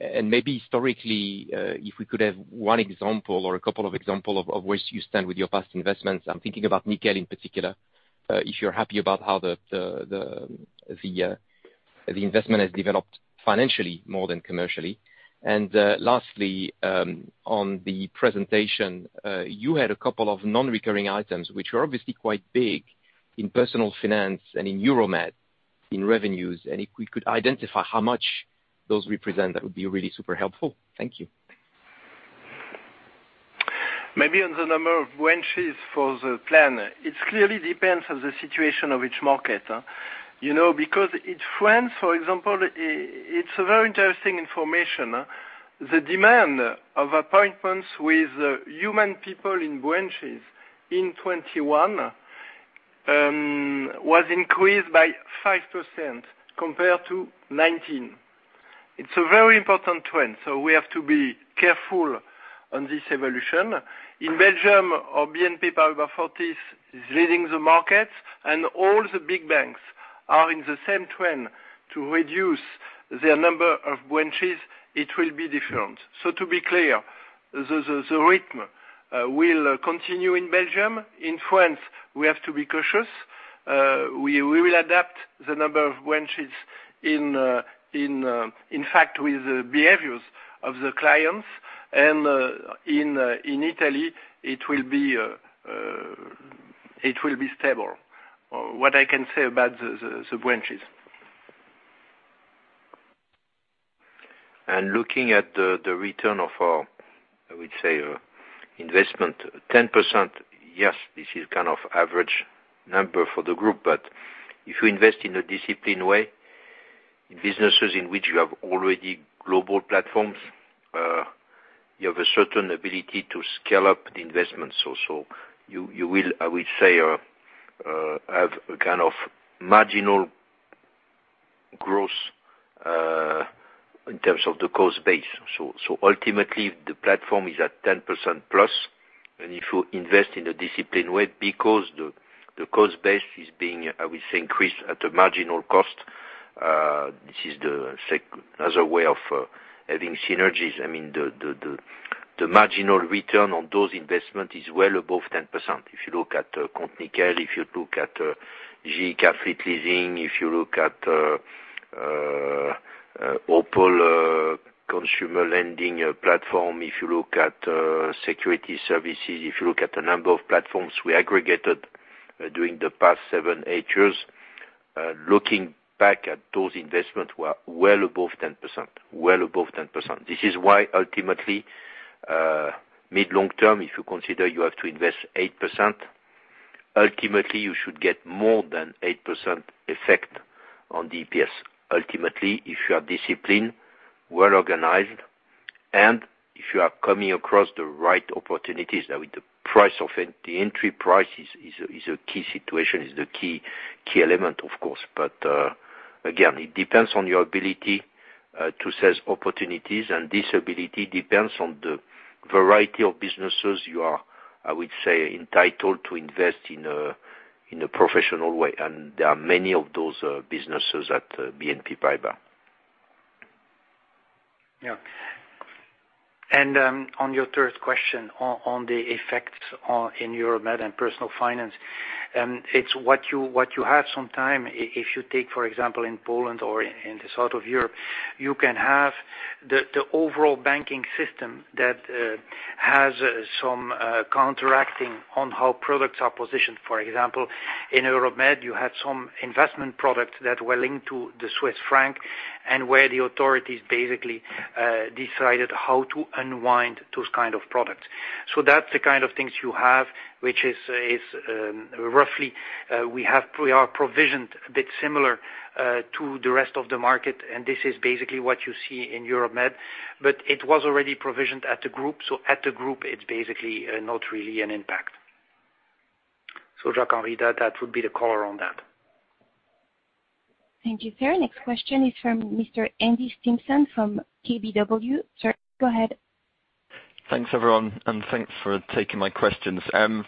And maybe historically, if we could have one example or a couple of example of where you stand with your past investments. I'm thinking about Nickel in particular, if you're happy about how the investment has developed financially more than commercially. Lastly, on the presentation, you had a couple of non-recurring items, which are obviously quite big in Personal Finance and in Europe-Mediterranean, in revenues, and if we could identify how much those represent, that would be really super helpful. Thank you. Maybe on the number of branches for the plan. It clearly depends on the situation of each market, you know, because in France, for example, it's a very interesting information. The demand of appointments with human people in branches in 2021 was increased by 5% compared to 2019. It's a very important trend, so we have to be careful on this evolution. In Belgium, our BNP Paribas Fortis is leading the market and all the big banks are in the same trend to reduce their number of branches. It will be different. To be clear, the rhythm will continue in Belgium. In France, we have to be cautious. We will adapt the number of branches, in fact, with the behaviors of the clients and, in Italy, it will be stable. What I can say about the branches. Looking at the return of our, I would say, investment, 10%, yes, this is kind of average number for the group, but if you invest in a disciplined way in businesses in which you have already global platforms, you have a certain ability to scale up the investments also. You will, I would say, have a kind of marginal growth in terms of the cost base. So ultimately the platform is at 10%+, and if you invest in a disciplined way because the cost base is being, I would say, increased at a marginal cost, this is as a way of having synergies. I mean, the marginal return on those investment is well above 10%. If you look at Compte Nickel, if you look at GE Capital Fleet Services, if you look at Opel, consumer lending platform, if you look at security services, if you look at the number of platforms we aggregated during the past seven, eight years, looking back at those investments were well above 10%. Well above 10%. This is why ultimately, mid- to long-term, if you consider you have to invest 8%, ultimately you should get more than 8% effect on EPS. Ultimately, if you are disciplined, well-organized, and if you are coming across the right opportunities, I mean, the entry price is the key element of course. Again, it depends on your ability to seize opportunities, and this ability depends on the variety of businesses you are, I would say, entitled to invest in a professional way. There are many of those businesses at BNP Paribas. On your third question on the effect in Europe-Mediterranean and Personal Finance, it's what you have sometimes if you take for example in Poland or in the south of Europe, you can have the overall banking system that has some counteracting on how products are positioned. For example, in Europe-Mediterranean, you had some investment products that were linked to the Swiss franc, and where the authorities basically decided how to unwind those kind of products. That's the kind of things you have, which is roughly we are provisioned a bit similar to the rest of the market, and this is basically what you see in Europe-Mediterranean, but it was already provisioned at the group. At the group it's basically not really an impact. Jacques-Henri Gaulard, that would be the color on that. Thank you, sir. Next question is from Mr. Andrew Simpson from KBW. Sir, go ahead. Thanks everyone, and thanks for taking my questions.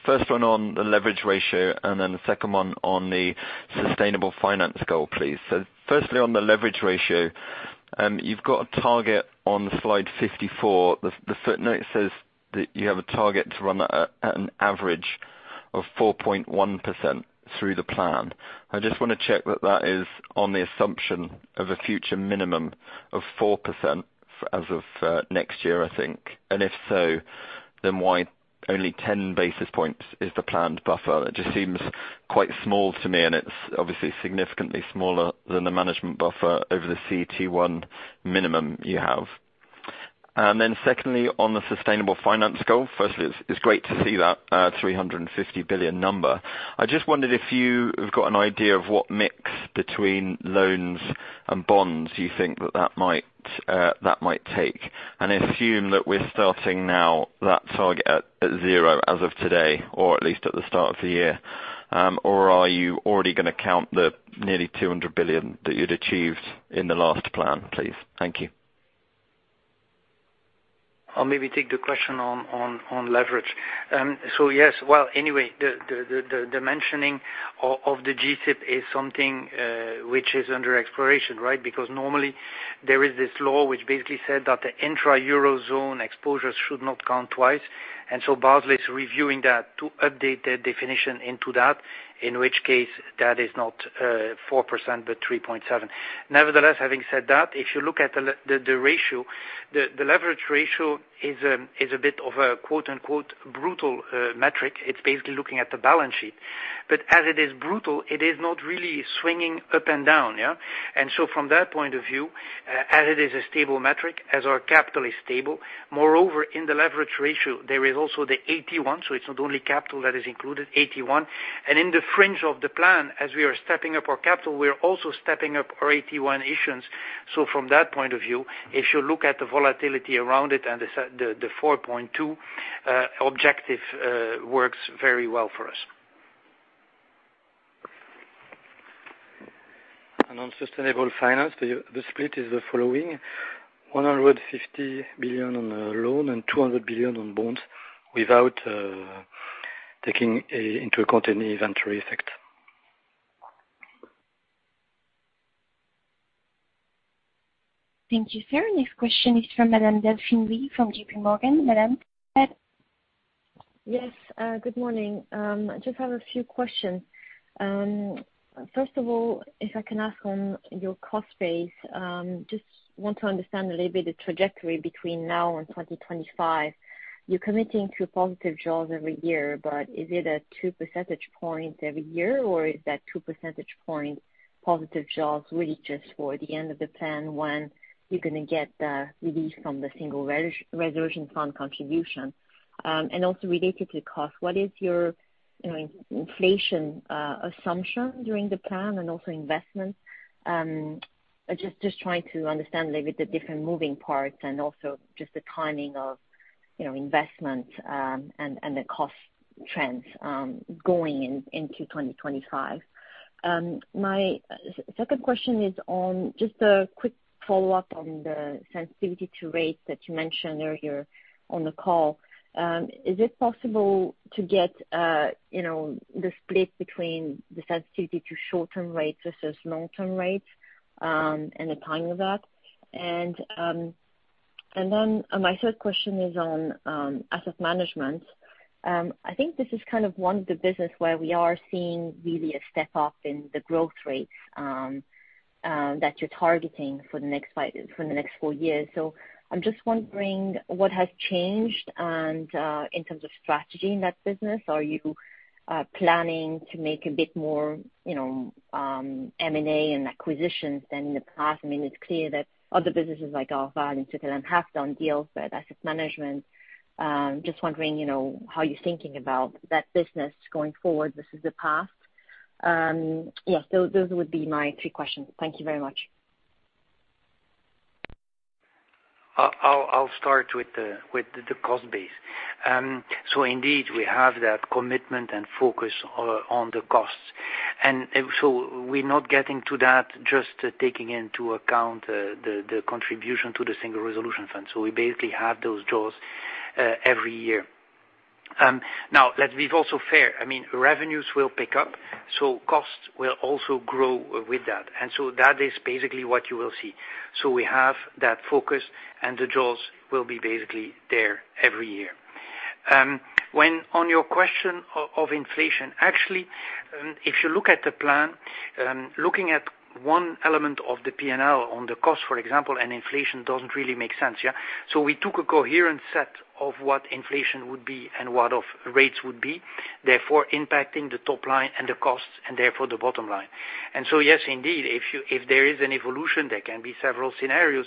First one on the leverage ratio, and then the second one on the sustainable finance goal, please. Firstly, on the leverage ratio, you've got a target on slide 54. The footnote says that you have a target to run an average of 4.1% through the plan. I just wanna check that is on the assumption of a future minimum of 4% as of next year, I think. And if so, then why only 10 basis points is the planned buffer? It just seems quite small to me, and it's obviously significantly smaller than the management buffer over the CET1 minimum you have. Then secondly, on the sustainable finance goal. Firstly, it's great to see that 350 billion number. I just wondered if you have got an idea of what mix between loans and bonds you think that might take? Assume that we're starting now that target at zero as of today, or at least at the start of the year. Or are you already gonna count the nearly 200 billion that you'd achieved in the last plan, please? Thank you. I'll maybe take the question on leverage. Yes. Well, anyway, the mentioning of the G-SIB is something which is under exploration, right? Because normally there is this law which basically said that the intra eurozone exposures should not count twice. Basel is reviewing that to update their definition into that, in which case that is not 4% but 3.7%. Nevertheless, having said that, if you look at the ratio, the leverage ratio is a bit of a quote-unquote "brutal" metric. It's basically looking at the balance sheet. As it is brutal, it is not really swinging up and down, yeah? From that point of view, as it is a stable metric, as our capital is stable, moreover in the leverage ratio there is also the AT1, so it's not only capital that is included, AT1. In the frame of the plan, as we are stepping up our capital, we are also stepping up our AT1 issues. From that point of view, if you look at the volatility around it and the 4.2% objective works very well for us. On sustainable finance, the split is the following. 150 billion on a loan and 200 billion on bonds without taking into account any inventory effect. Thank you, sir. Next question is from Madame Delphine Lee from JPMorgan. Madame, go ahead. Yes, good morning. Just have a few questions. First of all, if I can ask on your cost base, just want to understand a little bit the trajectory between now and 2025. You're committing to positive jaws every year, but is it a two percentage point every year, or is that two percentage point positive jaws really just for the end of the plan when you're gonna get the relief from the Single Resolution Fund contribution? Also related to cost, what is your, you know, inflation assumption during the plan and also investments? Just trying to understand a little bit the different moving parts and also just the timing of, you know, investments, and the cost trends, going into 2025. My second question is on just a quick follow-up on the sensitivity to rates that you mentioned earlier on the call. Is it possible to get, you know, the split between the sensitivity to short-term rates versus long-term rates, and the timing of that? My third question is on asset management. I think this is kind of one of the business where we are seeing really a step up in the growth rates that you're targeting for the next four years. I'm just wondering what has changed and in terms of strategy in that business, are you planning to make a bit more, you know, M&A and acquisitions than in the past? I mean, it's clear that other businesses like Arval and Cetelem have done deals where asset management, just wondering, you know, how you're thinking about that business going forward versus the past. Yeah, so those would be my three questions. Thank you very much. I'll start with the cost base. Indeed, we have that commitment and focus on the costs. We're not getting to that just taking into account the contribution to the Single Resolution Fund. We basically have those jaws every year. Now, let's be also fair, I mean, revenues will pick up, so costs will also grow with that. That is basically what you will see. We have that focus, and the jaws will be basically there every year. On your question of inflation, actually, if you look at the plan, looking at one element of the P&L on the cost, for example, and inflation doesn't really make sense, yeah? We took a coherent set of what inflation would be and what the rates would be, therefore impacting the top line and the costs, and therefore the bottom line. Yes, indeed, if there is an evolution, there can be several scenarios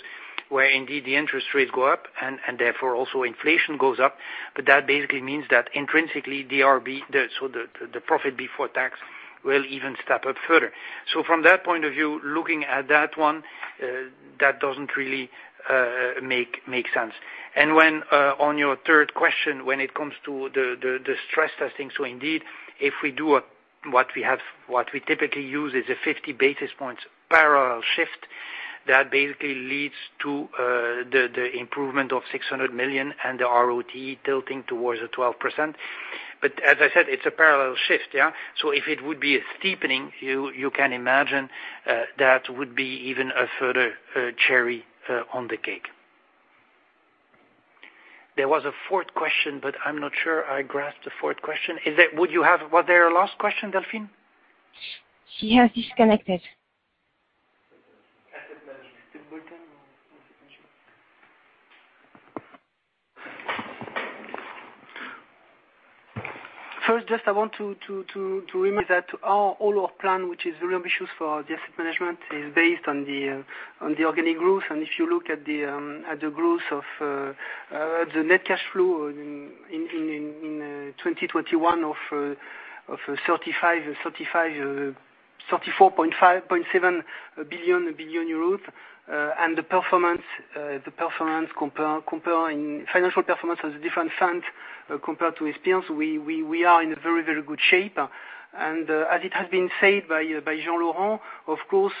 where indeed the interest rates go up, and therefore also inflation goes up. But that basically means that intrinsically the profit before tax will even step up further. From that point of view, looking at that one, that doesn't really make sense. Now, on your third question, when it comes to the stress testing, indeed, if we do a. What we have, what we typically use is a 50 basis points parallel shift that basically leads to the improvement of 600 million and the ROT tilting towards the 12%. As I said, it's a parallel shift, yeah? If it would be a steepening, you can imagine that would be even a further cherry on the cake. There was a fourth question, but I'm not sure I grasped the fourth question. Was there a last question, Delphine? She has disconnected. First, just I want to remind that our all our plan, which is really ambitious for the asset management, is based on the organic growth. If you look at the growth of the net cash flow in 2021 of 34.57 billion and the performance comparing financial performance of the different funds compared to peers, we are in a very good shape. As it has been said by Jean-Laurent, of course,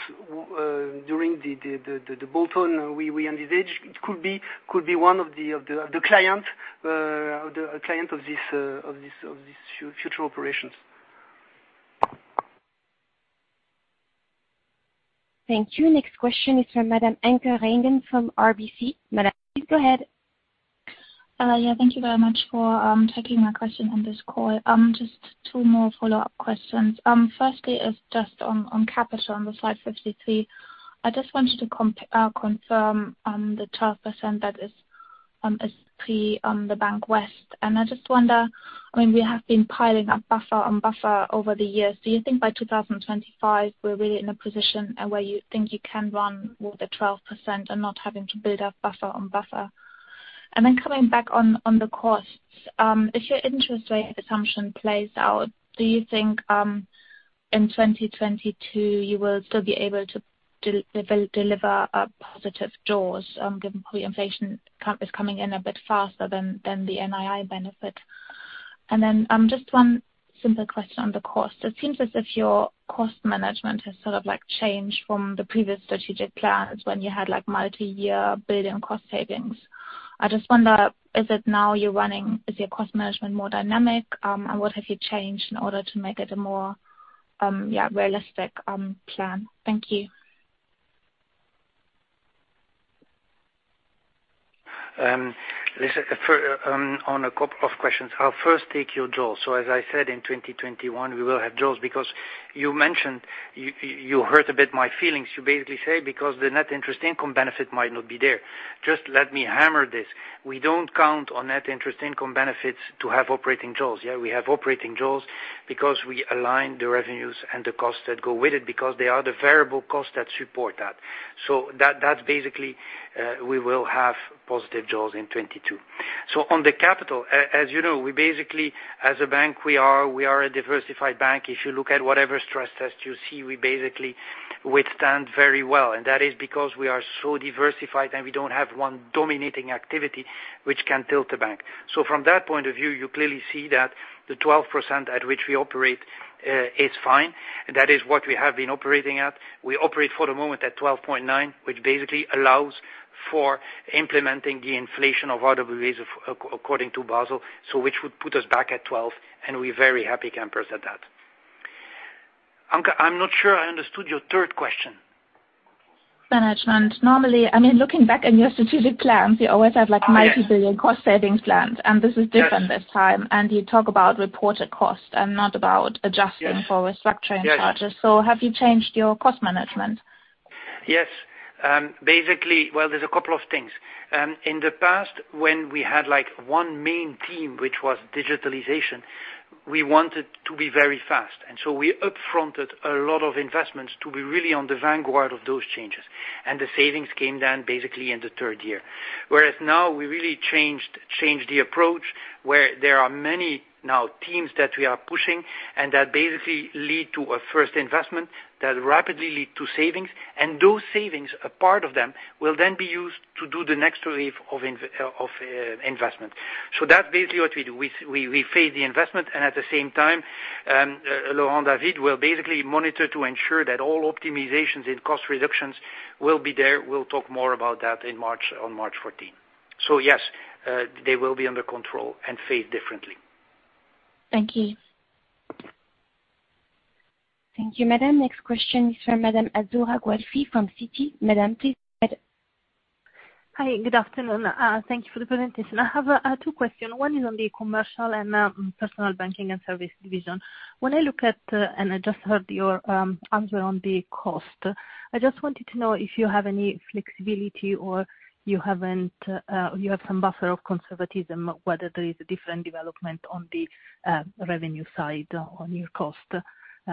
during the call then, we envisaged it could be one of the client of this future operations. Thank you. Next question is from Madam Anke Reingen from RBC. Madam, please go ahead. Yeah, thank you very much for taking my question on this call. Just two more follow-up questions. Firstly is just on capital on the slide 53. I just want you to confirm the 12% that is pre on the Bank of the West. I just wonder, I mean, we have been piling up buffer over the years. Do you think by 2025, we're really in a position where you think you can run with the 12% and not having to build up buffer on buffer? Then coming back on the costs, if your interest rate assumption plays out, do you think in 2022 you will still be able to deliver a positive jaws, given pre-inflation count is coming in a bit faster than the NII benefit? Just one simple question on the cost. It seems as if your cost management has sort of, like, changed from the previous strategic plans when you had, like, multi-year billion cost savings. I just wonder, is it now you're running, is your cost management more dynamic? What have you changed in order to make it a more, yeah, realistic plan? Thank you. This is for on a couple of questions. I'll first take your jaws. As I said, in 2021, we will have jaws because you mentioned you hurt a bit my feelings. You basically say because the net interest income benefit might not be there. Just let me hammer this. We don't count on net interest income benefits to have operating jaws, yeah? We have operating jaws because we align the revenues and the costs that go with it because they are the variable costs that support that. That, that's basically, we will have positive jaws in 2022. On the capital, as you know, we basically, as a bank, we are a diversified bank. If you look at whatever stress test you see, we basically withstand very well, and that is because we are so diversified, and we don't have one dominating activity which can tilt the bank. From that point of view, you clearly see that the 12% at which we operate is fine. That is what we have been operating at. We operate for the moment at 12.9%, which basically allows for implementing the inflation of RWAs according to Basel. Which would put us back at 12%, and we're very happy campers at that. I'm not sure I understood your third question. Normally, I mean, looking back in your strategic plans, you always have like EUR 90 billion cost savings planned, and this is different this time. You talk about reported cost and not about adjusting for restructuring charges. Have you changed your cost management? Yes. Basically, well, there's a couple of things. In the past, when we had, like, one main theme, which was digitalization, we wanted to be very fast. We up-fronted a lot of investments to be really on the vanguard of those changes. The savings came then basically in the third year. Whereas now we really changed the approach, where there are many new teams that we are pushing and that basically lead to a first investment that rapidly lead to savings. Those savings, a part of them, will then be used to do the next wave of investment. That's basically what we do. We phase the investment, and at the same time, Laurent David will basically monitor to ensure that all optimizations and cost reductions will be there. We'll talk more about that in March, on March fourteenth. Yes, they will be under control and phased differently. Thank you. Thank you, Madam. Next question is from Madam Azzurra Guelfi from Citi. Madam, please go ahead. Hi, good afternoon. Thank you for the presentation. I have two questions. One is on the commercial and personal banking and service division. When I look at and I just heard your answer on the cost, I just wanted to know if you have any flexibility or you have some buffer of conservatism, whether there is a different development on the revenue side on your cost.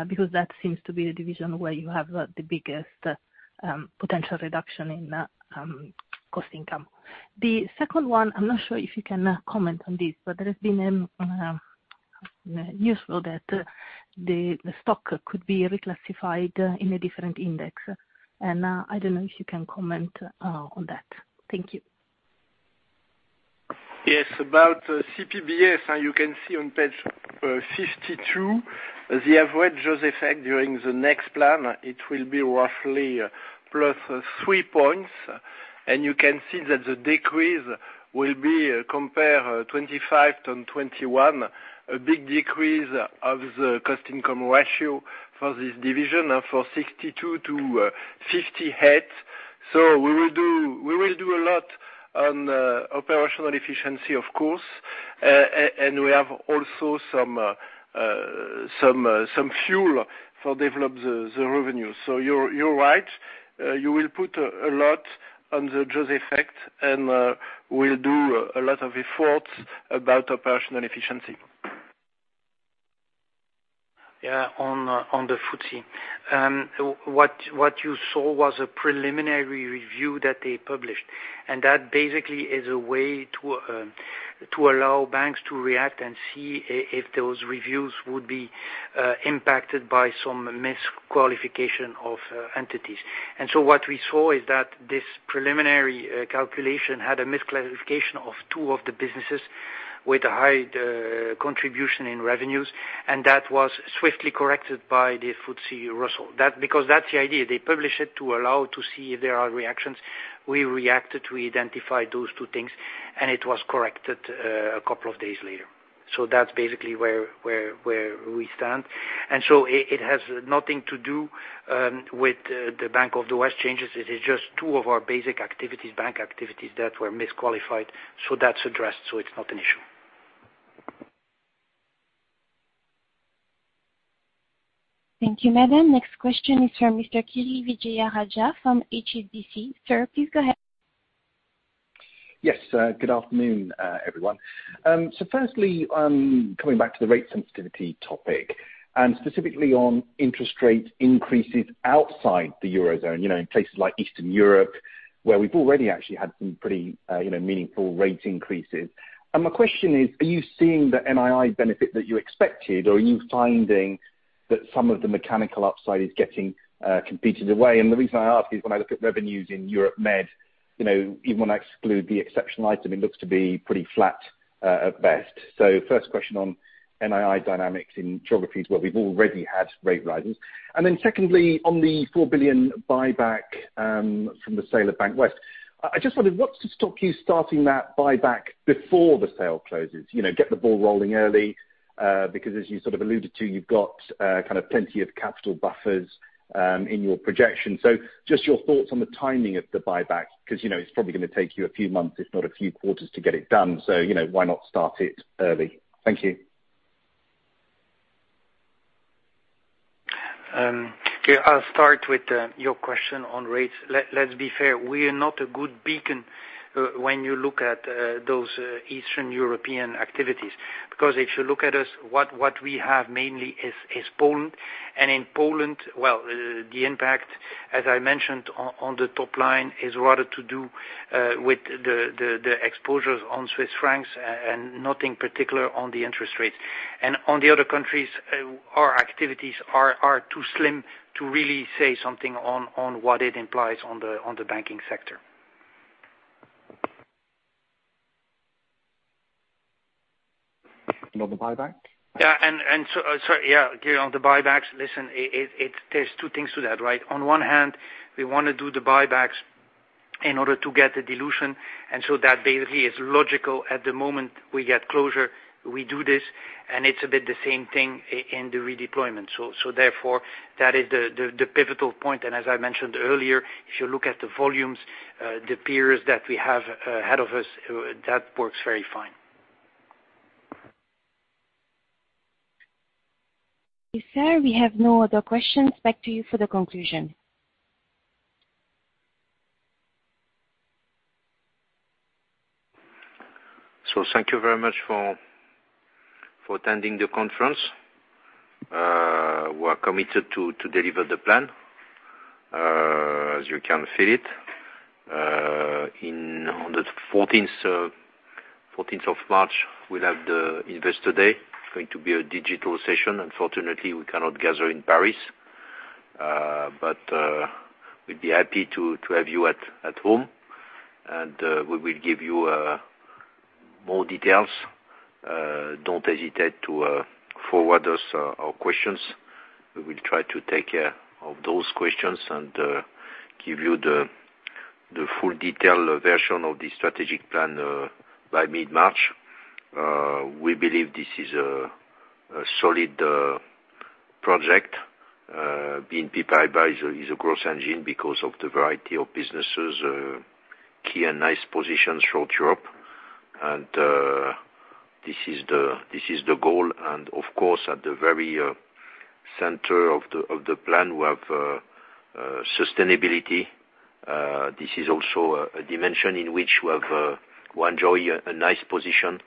Because that seems to be the division where you have the biggest potential reduction in cost income. The second one, I'm not sure if you can comment on this, but there has been news that the stock could be reclassified in a different index. I don't know if you can comment on that. Thank you. Yes. About CPBS, you can see on page 52, the average jaws effect during the next plan. It will be roughly +3-points. You can see that the decrease will be compared 2025 to 2021, a big decrease of the cost income ratio for this division from 62% to 58%. We will do a lot on operational efficiency, of course. We have also some fuel to develop the revenue. You're right. You will put a lot on the jaws effect, and we'll do a lot of efforts about operational efficiency. Yeah, on the FTSE. What you saw was a preliminary review that they published. That basically is a way to allow banks to react and see if those reviews would be impacted by some misqualification of entities. What we saw is that this preliminary calculation had a misclassification of two of the businesses with a high contribution in revenues, and that was swiftly corrected by the FTSE Russell. That because that's the idea. They publish it to allow to see if there are reactions. We reacted, we identified those two things, and it was corrected a couple of days later. That's basically where we stand. It has nothing to do with the Bank of the West changes. It is just two of our basic activities, bank activities, that were misqualified. That's addressed, so it's not an issue. Thank you, madam. Next question is from Mr. Kiri Vijayarajah from HSBC. Sir, please go ahead. Yes. Good afternoon, everyone. Firstly, coming back to the rate sensitivity topic, and specifically on interest rate increases outside the Eurozone, you know, in places like Eastern Europe, where we've already actually had some pretty, you know, meaningful rate increases. My question is, are you seeing the NII benefit that you expected, or are you finding that some of the mechanical upside is getting competed away? The reason I ask is when I look at revenues in Europe-Mediterranean, you know, even when I exclude the exceptional item, it looks to be pretty flat at best. First question on NII dynamics in geographies where we've already had rate rises. Then secondly, on the 4 billion buyback from the sale of Bank of the West, I just wondered what's to stop you starting that buyback before the sale closes? You know, get the ball rolling early, because as you sort of alluded to, you've got, kind of plenty of capital buffers, in your projection. Just your thoughts on the timing of the buyback, 'cause, you know, it's probably gonna take you a few months, if not a few quarters, to get it done. You know, why not start it early? Thank you. Yeah, I'll start with your question on rates. Let's be fair, we are not a good beacon when you look at those Eastern European activities, because if you look at us, what we have mainly is Poland. In Poland, well, the impact, as I mentioned on the top line, is rather to do with the exposures on Swiss francs and nothing particular on the interest rates. On the other countries, our activities are too slim to really say something on what it implies on the banking sector. On the buyback? Yeah, again, on the buybacks, listen, it, there's two things to that, right? On one hand, we wanna do the buybacks In order to get the dilution, and so that basically is logical at the moment we get closure, we do this, and it's a bit the same thing in the redeployment. Therefore that is the pivotal point. As I mentioned earlier, if you look at the volumes, the peers that we have ahead of us, that works very fine. Yes, sir. We have no other questions. Back to you for the conclusion. Thank you very much for attending the conference. We are committed to deliver the plan as you can feel it. On the 14th of March, we'll have the investor day. It's going to be a digital session. Unfortunately, we cannot gather in Paris. We'd be happy to have you at home. We will give you more details. Don't hesitate to forward your questions to us. We will try to take care of those questions and give you the full detailed version of the strategic plan by mid-March. We believe this is a solid project. BNP Paribas is a growth engine because of the variety of businesses, key and nice positions throughout Europe. This is the goal. Of course, at the very center of the plan, we have sustainability. This is also a dimension in which we enjoy a nice position,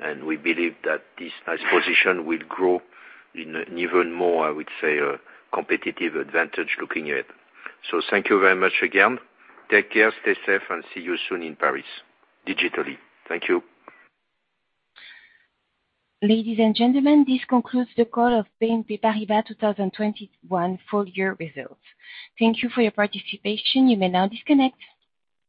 and we believe that this nice position will grow in even more, I would say, a competitive advantage looking ahead. Thank you very much again. Take care, stay safe, and see you soon in Paris digitally. Thank you. Ladies and gentlemen, this concludes the call of BNP Paribas 2021 Full- Year Results. Thank you for your participation. You may now disconnect.